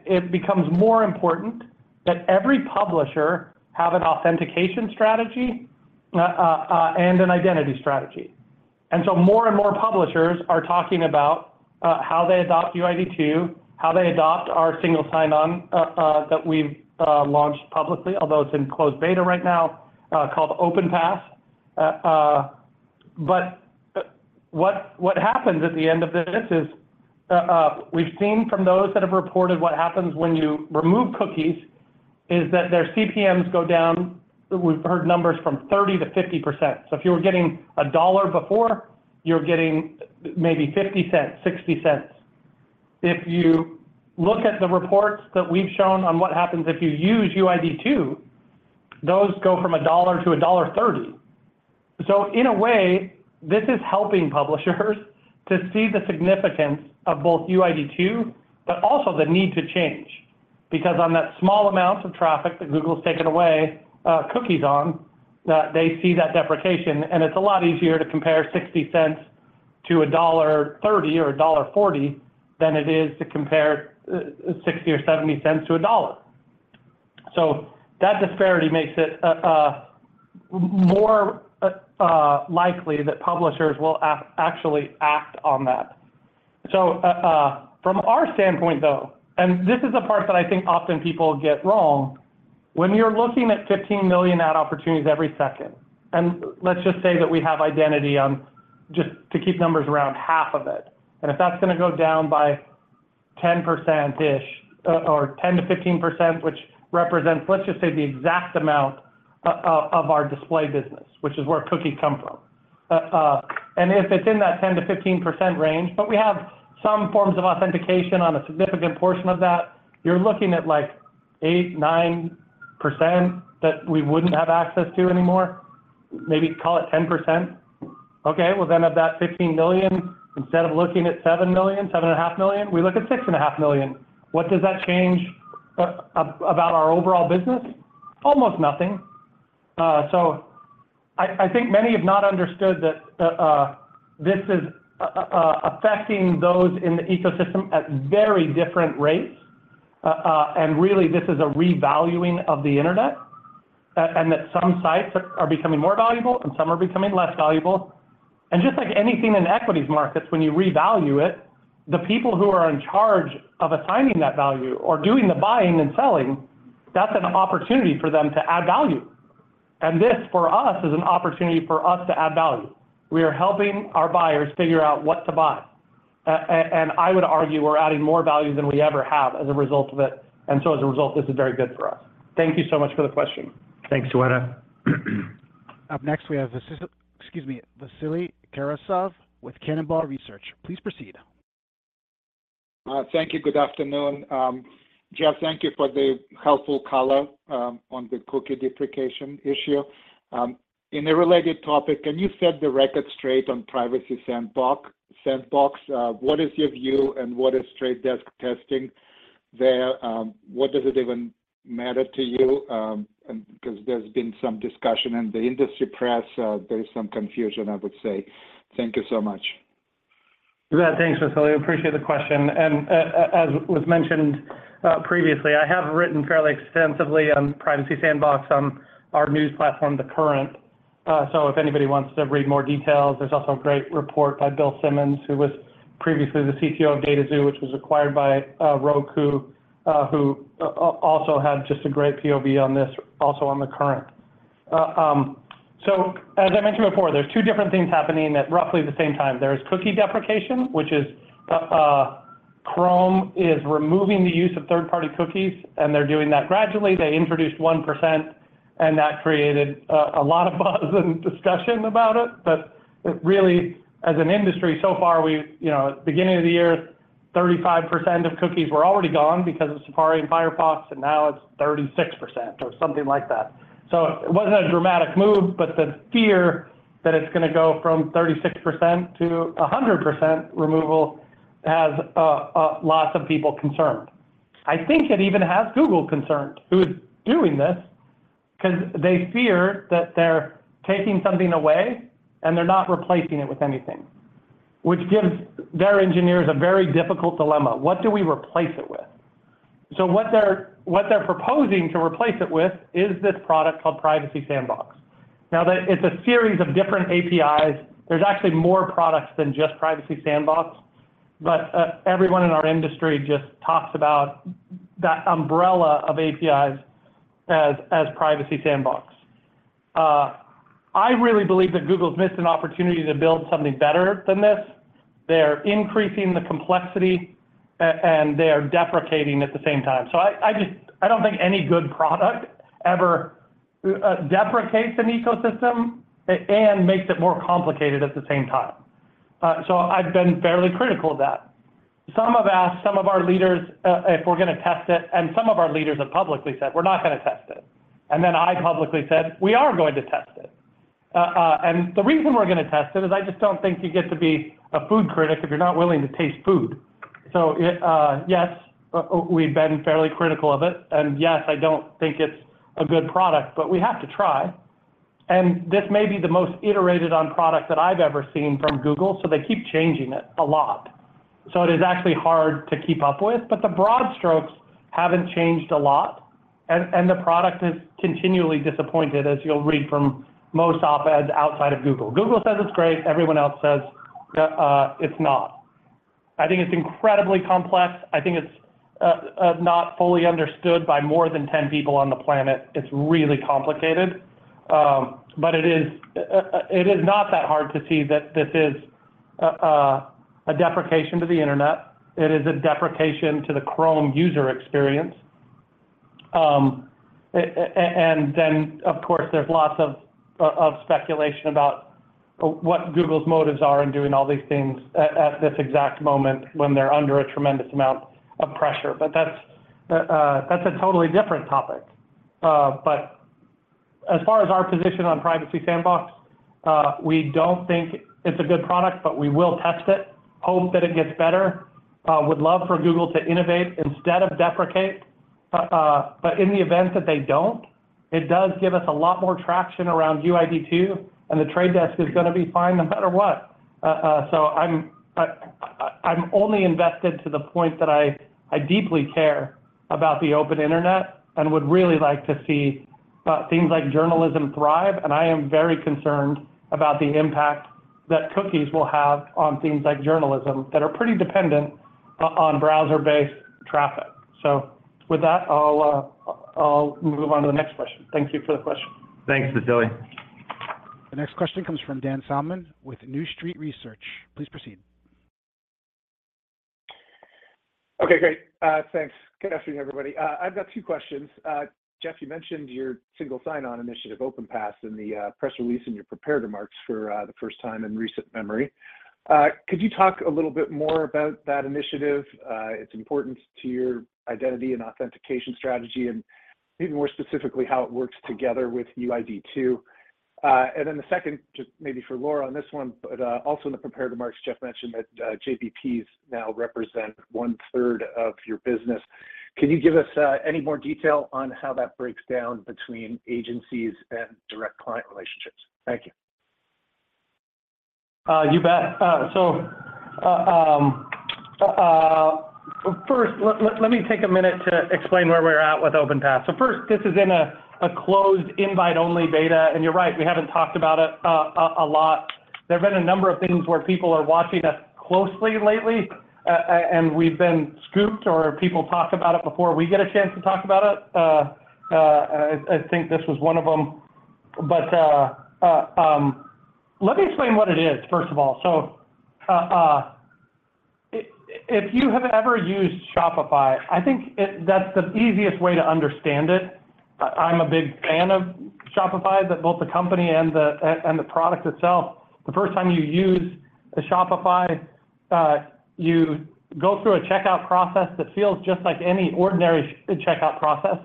It becomes more important that every publisher have an authentication strategy and an identity strategy. So more and more publishers are talking about how they adopt UID2, how they adopt our single sign-on that we've launched publicly, although it's in closed beta right now, called OpenPath. But what happens at the end of this is we've seen from those that have reported what happens when you remove cookies is that their CPMs go down. We've heard numbers from 30%-50%. So if you were getting $1 before, you're getting maybe $0.50, $0.60. If you look at the reports that we've shown on what happens if you use UID2, those go from $1 to $1.30. So in a way, this is helping publishers to see the significance of both UID2 but also the need to change because on that small amount of traffic that Google's taken away cookies on, they see that deprecation. And it's a lot easier to compare $0.60 to $1.30 or $1.40 than it is to compare $0.60 or $0.70 to $1. So that disparity makes it more likely that publishers will actually act on that. So from our standpoint, though and this is the part that I think often people get wrong. When you're looking at 15 million ad opportunities every second, and let's just say that we have identity on just to keep numbers around, half of it. If that's going to go down by 10%-ish or 10% to 15%, which represents, let's just say, the exact amount of our display business, which is where cookies come from. And if it's in that 10% to 15% range, but we have some forms of authentication on a significant portion of that, you're looking at like 8%, 9% that we wouldn't have access to anymore, maybe call it 10%. Okay. Well, then of that $15 million, instead of looking at $7 million, $7.5 million, we look at $6.5 million. What does that change about our overall business? Almost nothing. So I think many have not understood that this is affecting those in the ecosystem at very different rates. Really, this is a revaluing of the internet and that some sites are becoming more valuable and some are becoming less valuable. Just like anything in equities markets, when you revalue it, the people who are in charge of assigning that value or doing the buying and selling, that's an opportunity for them to add value. This, for us, is an opportunity for us to add value. We are helping our buyers figure out what to buy. I would argue we're adding more value than we ever have as a result of it. As a result, this is very good for us. Thank you so much for the question. Thanks, Shweta. Up next, we have excuse me, Vasily Karasyov with Cannonball Research. Please proceed. Thank you. Good afternoon. Jeff, thank you for the helpful color on the cookie deprecation issue. In a related topic, can you set the record straight on Privacy Sandbox? What is your view, and what is Trade Desk testing there? What does it even matter to you? Because there's been some discussion in the industry press. There's some confusion, I would say. Thank you so much. Yeah. Thanks, Vasily. I appreciate the question. And as was mentioned previously, I have written fairly extensively on Privacy Sandbox on our news platform, The Current. So if anybody wants to read more details, there's also a great report by Bill Simmons, who was previously the CTO of DataXu, which was acquired by Roku, who also had just a great POV on this, also on The Current. So as I mentioned before, there's two different things happening at roughly the same time. There is cookie deprecation, which is Chrome is removing the use of third-party cookies, and they're doing that gradually. They introduced 1%, and that created a lot of buzz and discussion about it. But really, as an industry, so far, at the beginning of the year, 35% of cookies were already gone because of Safari and Firefox, and now it's 36% or something like that. So it wasn't a dramatic move, but the fear that it's going to go from 36% to 100% removal has lots of people concerned. I think it even has Google concerned, who is doing this because they fear that they're taking something away, and they're not replacing it with anything, which gives their engineers a very difficult dilemma. What do we replace it with? So what they're proposing to replace it with is this product called Privacy Sandbox. Now, it's a series of different APIs. There's actually more products than just Privacy Sandbox, but everyone in our industry just talks about that umbrella of APIs as Privacy Sandbox. I really believe that Google's missed an opportunity to build something better than this. They're increasing the complexity, and they are deprecating at the same time. So I don't think any good product ever deprecates an ecosystem and makes it more complicated at the same time. So I've been fairly critical of that. Some have asked some of our leaders if we're going to test it, and some of our leaders have publicly said, "We're not going to test it." And then I publicly said, "We are going to test it." And the reason we're going to test it is I just don't think you get to be a food critic if you're not willing to taste food. So yes, we've been fairly critical of it. And yes, I don't think it's a good product, but we have to try. And this may be the most iterated-on product that I've ever seen from Google, so they keep changing it a lot. So it is actually hard to keep up with. But the broad strokes haven't changed a lot, and the product is continually disappointed, as you'll read from most op-eds outside of Google. Google says it's great. Everyone else says it's not. I think it's incredibly complex. I think it's not fully understood by more than 10 people on the planet. It's really complicated. But it is not that hard to see that this is a deprecation to the internet. It is a deprecation to the Chrome user experience. And then, of course, there's lots of speculation about what Google's motives are in doing all these things at this exact moment when they're under a tremendous amount of pressure. But that's a totally different topic. But as far as our position on Privacy Sandbox, we don't think it's a good product, but we will test it, hope that it gets better. Would love for Google to innovate instead of deprecate. But in the event that they don't, it does give us a lot more traction around UID2, and The Trade Desk is going to be fine no matter what. So I'm only invested to the point that I deeply care about the open internet and would really like to see things like journalism thrive. And I am very concerned about the impact that cookies will have on things like journalism that are pretty dependent on browser-based traffic. So with that, I'll move on to the next question. Thank you for the question. Thanks, Vasily. The next question comes from Dan Salmon with New Street Research. Please proceed. Okay. Great. Thanks. Good afternoon, everybody. I've got two questions. Jeff, you mentioned your single sign-on initiative, OpenPath, and the press release in your prepared remarks for the first time in recent memory. Could you talk a little bit more about that initiative? It's important to your identity and authentication strategy and, even more specifically, how it works together with UID2. And then the second, just maybe for Laura on this one, but also in the prepared remarks, Jeff mentioned that JBPs now represent one-third of your business. Can you give us any more detail on how that breaks down between agencies and direct client relationships? Thank you. You bet. So first, let me take a minute to explain where we're at with OpenPath. So first, this is in a closed invite-only beta. And you're right. We haven't talked about it a lot. There have been a number of things where people are watching us closely lately, and we've been scooped or people talk about it before we get a chance to talk about it. I think this was one of them. But let me explain what it is, first of all. So if you have ever used Shopify, I think that's the easiest way to understand it. I'm a big fan of Shopify, both the company and the product itself. The first time you use Shopify, you go through a checkout process that feels just like any ordinary checkout process.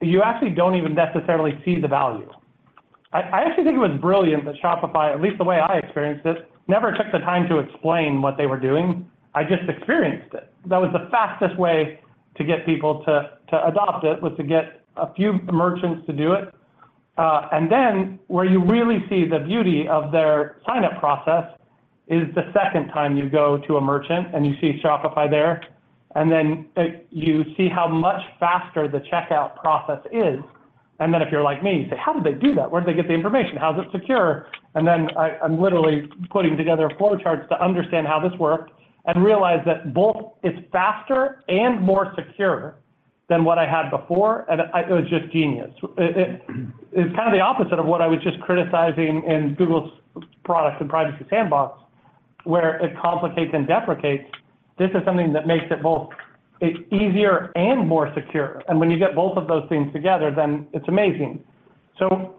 You actually don't even necessarily see the value. I actually think it was brilliant that Shopify, at least the way I experienced it, never took the time to explain what they were doing. I just experienced it. That was the fastest way to get people to adopt it, was to get a few merchants to do it. And then where you really see the beauty of their sign-up process is the second time you go to a merchant and you see Shopify there, and then you see how much faster the checkout process is. And then if you're like me, you say, "How did they do that? Where did they get the information? How is it secure?" And then I'm literally putting together flowcharts to understand how this worked and realize that both it's faster and more secure than what I had before, and it was just genius. It's kind of the opposite of what I was just criticizing in Google's product and Privacy Sandbox, where it complicates and deprecates. This is something that makes it both easier and more secure. And when you get both of those things together, then it's amazing. So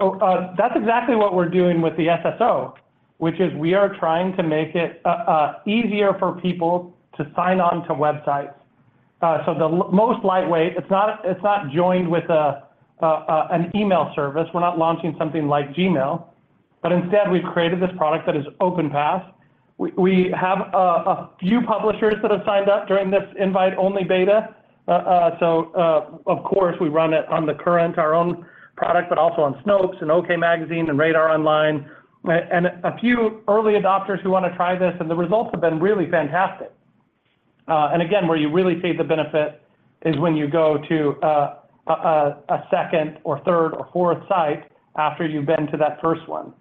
that's exactly what we're doing with the SSO, which is we are trying to make it easier for people to sign on to websites. So the most lightweight, it's not joined with an email service. We're not launching something like Gmail. But instead, we've created this product that is OpenPath. We have a few publishers that have signed up during this invite-only beta. So, of course, we run it on The Current, our own product, but also on Snopes and OK Magazine and Radar Online, and a few early adopters who want to try this. And the results have been really fantastic. And again, where you really see the benefit is when you go to a second or third or fourth site after you've been to that first one.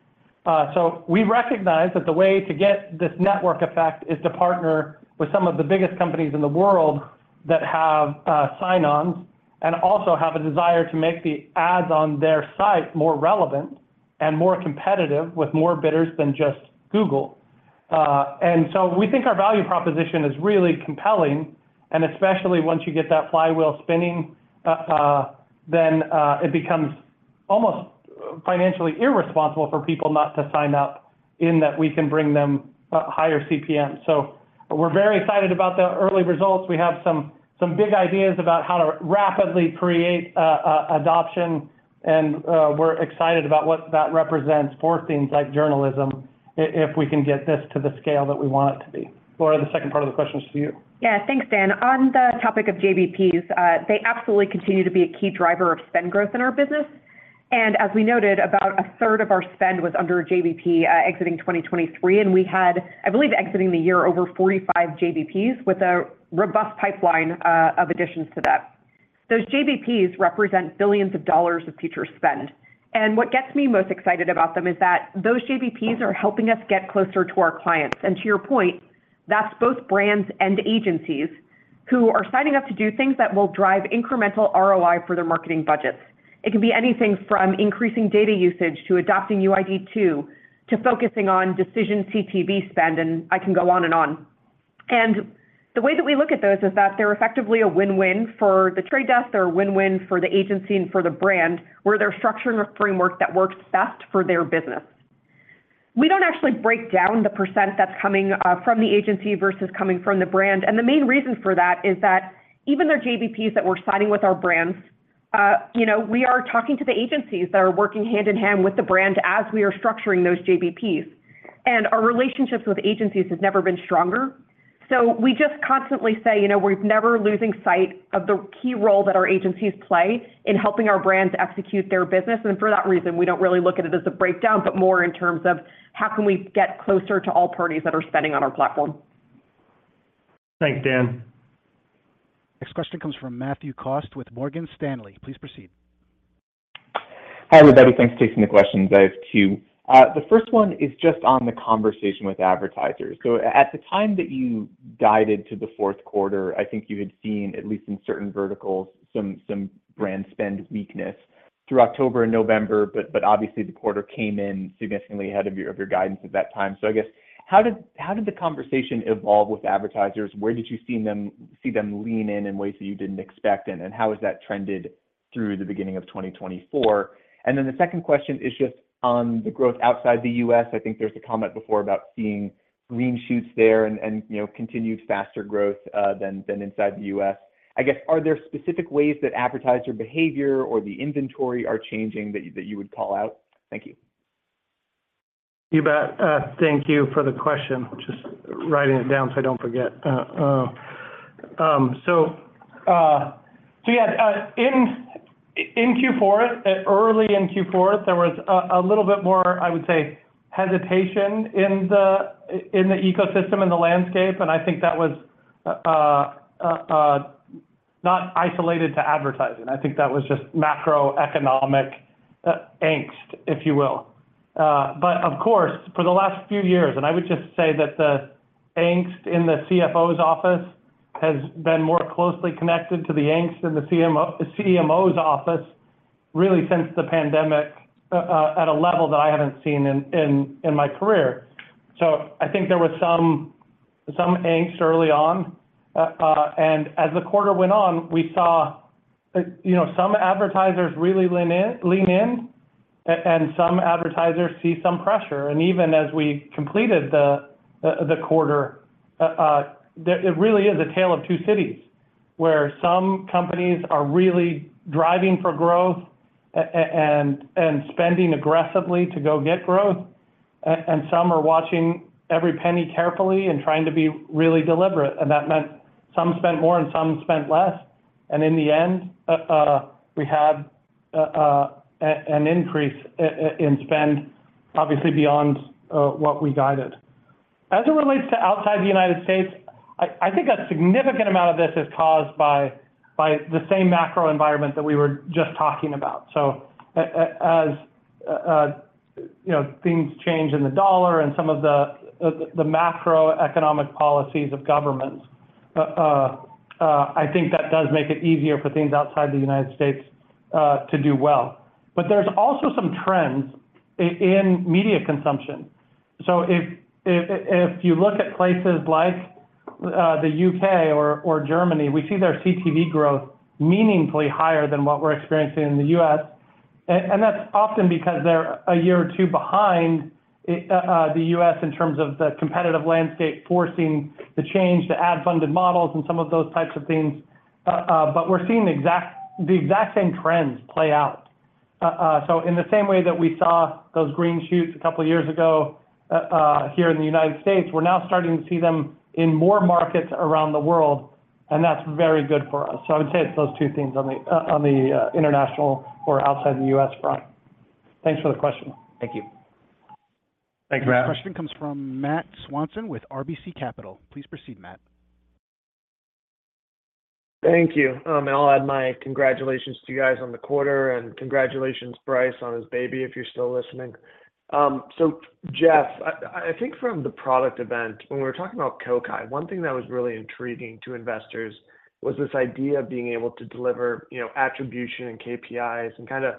So we recognize that the way to get this network effect is to partner with some of the biggest companies in the world that have sign-ons and also have a desire to make the ads on their site more relevant and more competitive with more bidders than just Google. And so we think our value proposition is really compelling. And especially once you get that flywheel spinning, then it becomes almost financially irresponsible for people not to sign up in that we can bring them higher CPM. So we're very excited about the early results. We have some big ideas about how to rapidly create adoption. We're excited about what that represents for things like journalism if we can get this to the scale that we want it to be. Laura, the second part of the question is for you. Yeah. Thanks, Dan. On the topic of JBPs, they absolutely continue to be a key driver of spend growth in our business. As we noted, about a third of our spend was under JBP exiting 2023. We had, I believe, exiting the year over 45 JBPs with a robust pipeline of additions to that. Those JBPs represent billions of dollars of future spend. What gets me most excited about them is that those JBPs are helping us get closer to our clients. To your point, that's both brands and agencies who are signing up to do things that will drive incremental ROI for their marketing budgets. It can be anything from increasing data usage to adopting UID2 to focusing on decision CTV spend. I can go on and on. The way that we look at those is that they're effectively a win-win for The Trade Desk. They're a win-win for the agency and for the brand, where they're structuring a framework that works best for their business. We don't actually break down the percent that's coming from the agency versus coming from the brand. The main reason for that is that even their JBPs that we're signing with our brands, we are talking to the agencies that are working hand in hand with the brand as we are structuring those JBPs. Our relationships with agencies have never been stronger. So we just constantly say, "We're never losing sight of the key role that our agencies play in helping our brands execute their business." For that reason, we don't really look at it as a breakdown, but more in terms of how can we get closer to all parties that are spending on our platform. Thanks, Dan. Next question comes from Matthew Cost with Morgan Stanley. Please proceed. Hi, everybody. Thanks for taking the questions. I have two. The first one is just on the conversation with advertisers. At the time that you guided to the fourth quarter, I think you had seen, at least in certain verticals, some brand spend weakness through October and November. But obviously, the quarter came in significantly ahead of your guidance at that time. So I guess, how did the conversation evolve with advertisers? Where did you see them lean in in ways that you didn't expect? And how has that trended through the beginning of 2024? And then the second question is just on the growth outside the U.S. I think there was a comment before about seeing green shoots there and continued faster growth than inside the U.S. I guess, are there specific ways that advertiser behavior or the inventory are changing that you would call out? Thank you. You bet. Thank you for the question. Just writing it down so I don't forget. So yeah, in Q4, early in Q4, there was a little bit more, I would say, hesitation in the ecosystem and the landscape. And I think that was not isolated to advertising. I think that was just macroeconomic angst, if you will. But of course, for the last few years, and I would just say that the angst in the CFO's office has been more closely connected to the angst in the CMO's office really since the pandemic at a level that I haven't seen in my career. I think there was some angst early on. As the quarter went on, we saw some advertisers really lean in and some advertisers see some pressure. Even as we completed the quarter, it really is a tale of two cities where some companies are really driving for growth and spending aggressively to go get growth, and some are watching every penny carefully and trying to be really deliberate. That meant some spent more and some spent less. In the end, we had an increase in spend, obviously, beyond what we guided. As it relates to outside the United States, I think a significant amount of this is caused by the same macro environment that we were just talking about. So as things change in the dollar and some of the macroeconomic policies of governments, I think that does make it easier for things outside the United States to do well. But there's also some trends in media consumption. So if you look at places like the U.K. or Germany, we see their CTV growth meaningfully higher than what we're experiencing in the U.S. And that's often because they're a year or two behind the U.S. in terms of the competitive landscape forcing the change to ad-funded models and some of those types of things. But we're seeing the exact same trends play out. So in the same way that we saw those green shoots a couple of years ago here in the United States, we're now starting to see them in more markets around the world. And that's very good for us. So I would say it's those two things on the international or outside the U.S. front. Thanks for the question. Thank you. Thanks, Matt. Next question comes from Matt Swanson with RBC Capital. Please proceed, Matt. Thank you. And I'll add my congratulations to you guys on the quarter and congratulations, Bryce, on his baby, if you're still listening. So Jeff, I think from the product event, when we were talking about Kokai, one thing that was really intriguing to investors was this idea of being able to deliver attribution and KPIs and kind of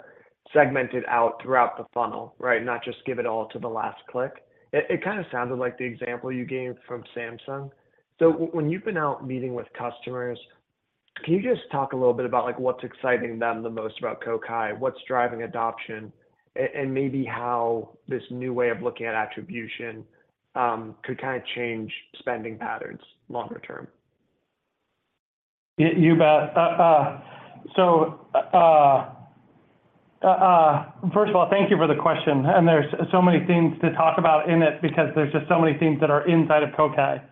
segment it out throughout the funnel, right, not just give it all to the last click. It kind of sounded like the example you gave from Samsung. So when you've been out meeting with customers, can you just talk a little bit about what's exciting them the most about Kokai, what's driving adoption, and maybe how this new way of looking at attribution could kind of change spending patterns longer term? You bet. First of all, thank you for the question. There's so many things to talk about in it because there's just so many things that are inside of Kokai.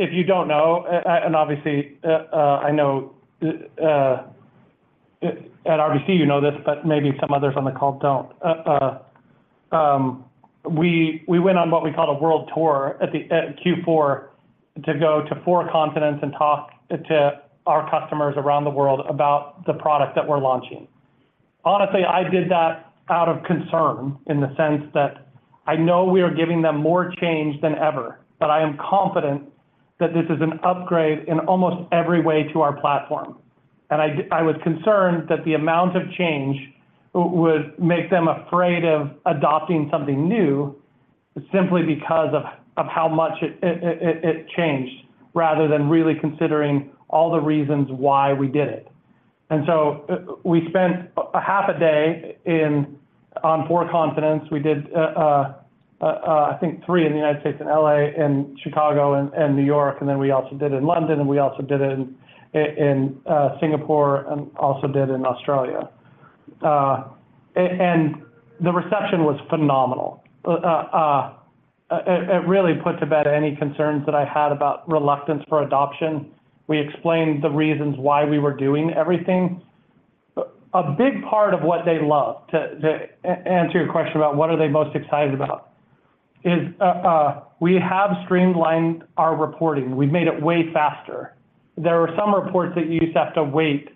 If you don't know, and obviously, I know at RBC, you know this, but maybe some others on the call don't. We went on what we call a world tour at Q4 to go to four continents and talk to our customers around the world about the product that we're launching. Honestly, I did that out of concern in the sense that I know we are giving them more change than ever, but I am confident that this is an upgrade in almost every way to our platform. I was concerned that the amount of change would make them afraid of adopting something new simply because of how much it changed rather than really considering all the reasons why we did it. So we spent half a day on four continents. We did, I think, three in the United States: in L.A., in Chicago, and New York. Then we also did in London. We also did it in Singapore and also did in Australia. The reception was phenomenal. It really put to bed any concerns that I had about reluctance for adoption. We explained the reasons why we were doing everything. A big part of what they love, to answer your question about what are they most excited about, is we have streamlined our reporting. We've made it way faster. There were some reports that you used to have to wait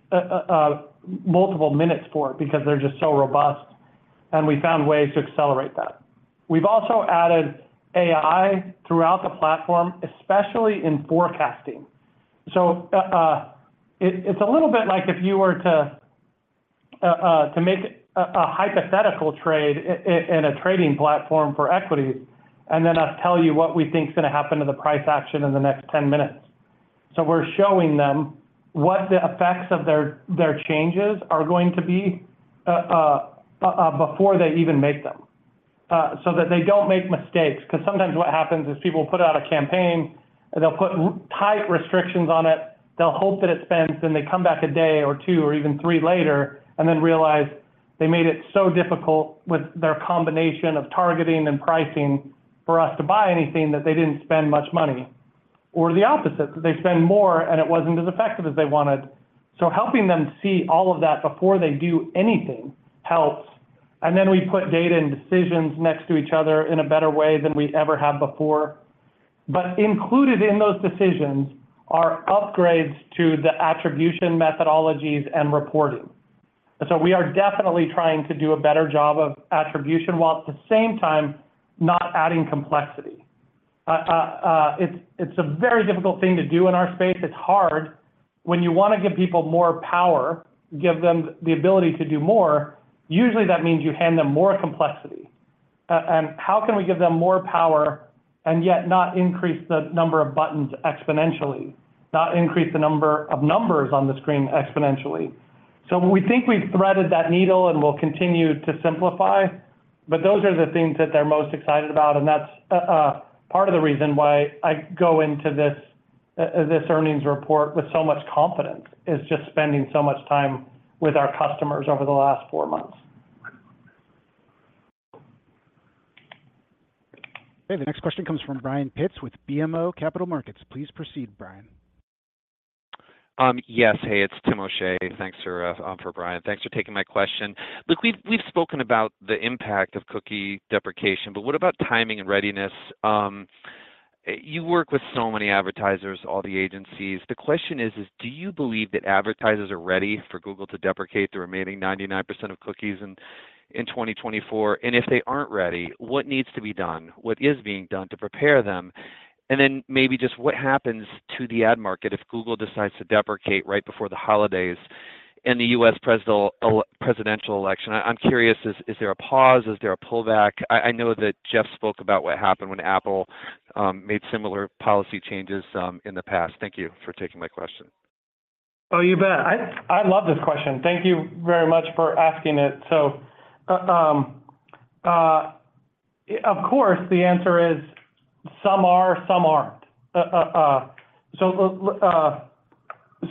multiple minutes for because they're just so robust. We found ways to accelerate that. We've also added AI throughout the platform, especially in forecasting. So it's a little bit like if you were to make a hypothetical trade in a trading platform for equities and then us tell you what we think is going to happen to the price action in the next 10 minutes. So we're showing them what the effects of their changes are going to be before they even make them so that they don't make mistakes. Because sometimes what happens is people put out a campaign, and they'll put tight restrictions on it. They'll hope that it spends, then they come back a day or two or even three later and then realize they made it so difficult with their combination of targeting and pricing for us to buy anything that they didn't spend much money. Or the opposite, that they spend more, and it wasn't as effective as they wanted. So helping them see all of that before they do anything helps. And then we put data and decisions next to each other in a better way than we ever have before. But included in those decisions are upgrades to the attribution methodologies and reporting. So we are definitely trying to do a better job of attribution while at the same time not adding complexity. It's a very difficult thing to do in our space. It's hard. When you want to give people more power, give them the ability to do more, usually that means you hand them more complexity. And how can we give them more power and yet not increase the number of buttons exponentially, not increase the number of numbers on the screen exponentially? So we think we've threaded that needle, and we'll continue to simplify. But those are the things that they're most excited about. And that's part of the reason why I go into this earnings report with so much confidence, is just spending so much time with our customers over the last four months. Okay. The next question comes from Brian Pitz with BMO Capital Markets. Please proceed, Brian. Yes. Hey, it's Tim O'Shea. Thanks, for Brian. Thanks for taking my question. Look, we've spoken about the impact of cookie deprecation, but what about timing and readiness? You work with so many advertisers, all the agencies. The question is, do you believe that advertisers are ready for Google to deprecate the remaining 99% of cookies in 2024? And if they aren't ready, what needs to be done? What is being done to prepare them? And then maybe just what happens to the ad market if Google decides to deprecate right before the holidays and the U.S. presidential election? I'm curious, is there a pause? Is there a pullback? I know that Jeff spoke about what happened when Apple made similar policy changes in the past. Thank you for taking my question. Oh, you bet. I love this question. Thank you very much for asking it. So of course, the answer is some are, some aren't.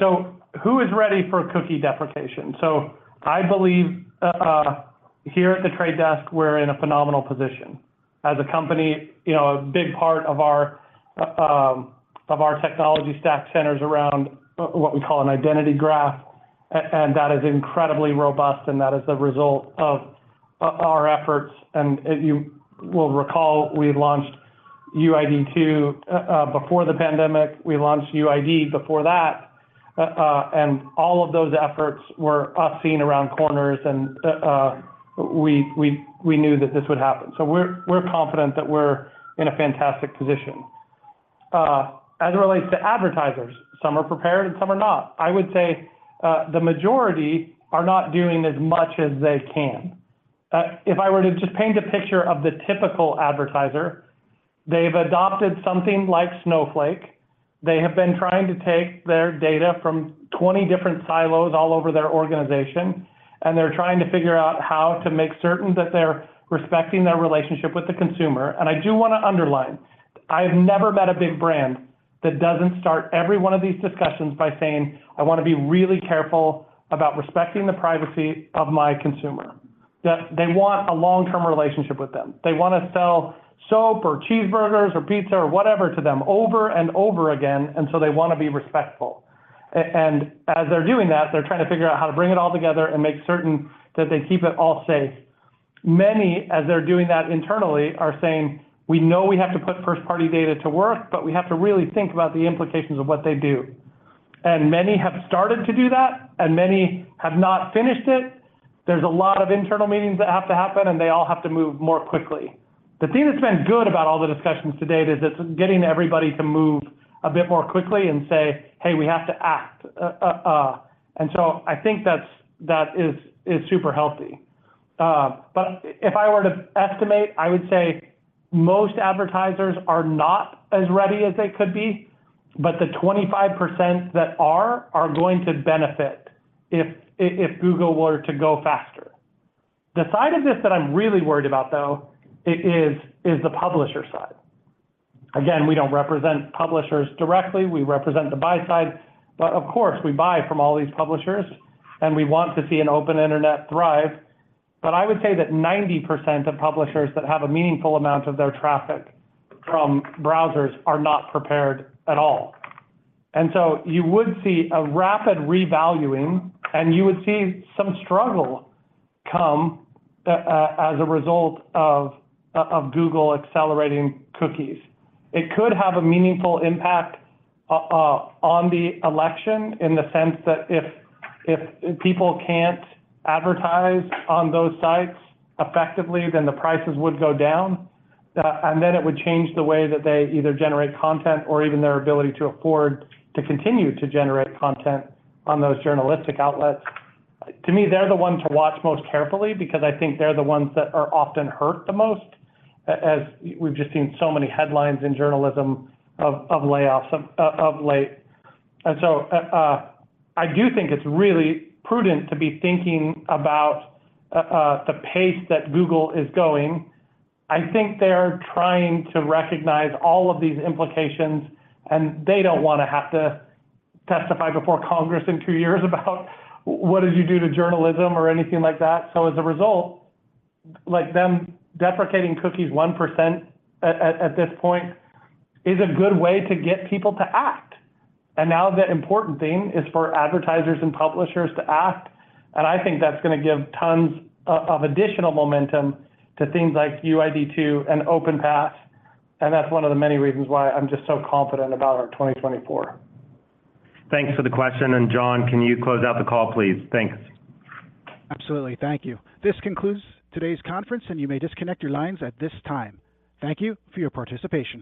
So who is ready for cookie deprecation? So I believe here at The Trade Desk, we're in a phenomenal position. As a company, a big part of our technology stack centers around what we call an identity graph. That is incredibly robust, and that is the result of our efforts. You will recall, we launched UID2 before the pandemic. We launched UID before that. All of those efforts were us seeing around corners, and we knew that this would happen. We're confident that we're in a fantastic position. As it relates to advertisers, some are prepared, and some are not. I would say the majority are not doing as much as they can. If I were to just paint a picture of the typical advertiser, they've adopted something like Snowflake. They have been trying to take their data from 20 different silos all over their organization, and they're trying to figure out how to make certain that they're respecting their relationship with the consumer. I do want to underline, I have never met a big brand that doesn't start every one of these discussions by saying, "I want to be really careful about respecting the privacy of my consumer." They want a long-term relationship with them. They want to sell soap or cheeseburgers or pizza or whatever to them over and over again. And so they want to be respectful. And as they're doing that, they're trying to figure out how to bring it all together and make certain that they keep it all safe. Many, as they're doing that internally, are saying, "We know we have to put first-party data to work, but we have to really think about the implications of what they do." And many have started to do that, and many have not finished it. There's a lot of internal meetings that have to happen, and they all have to move more quickly. The thing that's been good about all the discussions to date is it's getting everybody to move a bit more quickly and say, "Hey, we have to act." And so I think that is super healthy. But if I were to estimate, I would say most advertisers are not as ready as they could be. But the 25% that are are going to benefit if Google were to go faster. The side of this that I'm really worried about, though, is the publisher side. Again, we don't represent publishers directly. We represent the buy side. But of course, we buy from all these publishers, and we want to see an open internet thrive. But I would say that 90% of publishers that have a meaningful amount of their traffic from browsers are not prepared at all. And so you would see a rapid revaluing, and you would see some struggle come as a result of Google accelerating cookies. It could have a meaningful impact on the election in the sense that if people can't advertise on those sites effectively, then the prices would go down. And then it would change the way that they either generate content or even their ability to afford to continue to generate content on those journalistic outlets. To me, they're the ones to watch most carefully because I think they're the ones that are often hurt the most. We've just seen so many headlines in journalism of layoffs of late. And so I do think it's really prudent to be thinking about the pace that Google is going. I think they are trying to recognize all of these implications, and they don't want to have to testify before Congress in two years about, "What did you do to journalism?" or anything like that. So as a result, them deprecating cookies 1% at this point is a good way to get people to act. And now the important thing is for advertisers and publishers to act. And I think that's going to give tons of additional momentum to things like UID2 and OpenPath. And that's one of the many reasons why I'm just so confident about our 2024. Thanks for the question. And John, can you close out the call, please? Thanks. Absolutely. Thank you. This concludes today's conference, and you may disconnect your lines at this time. Thank you for your participation.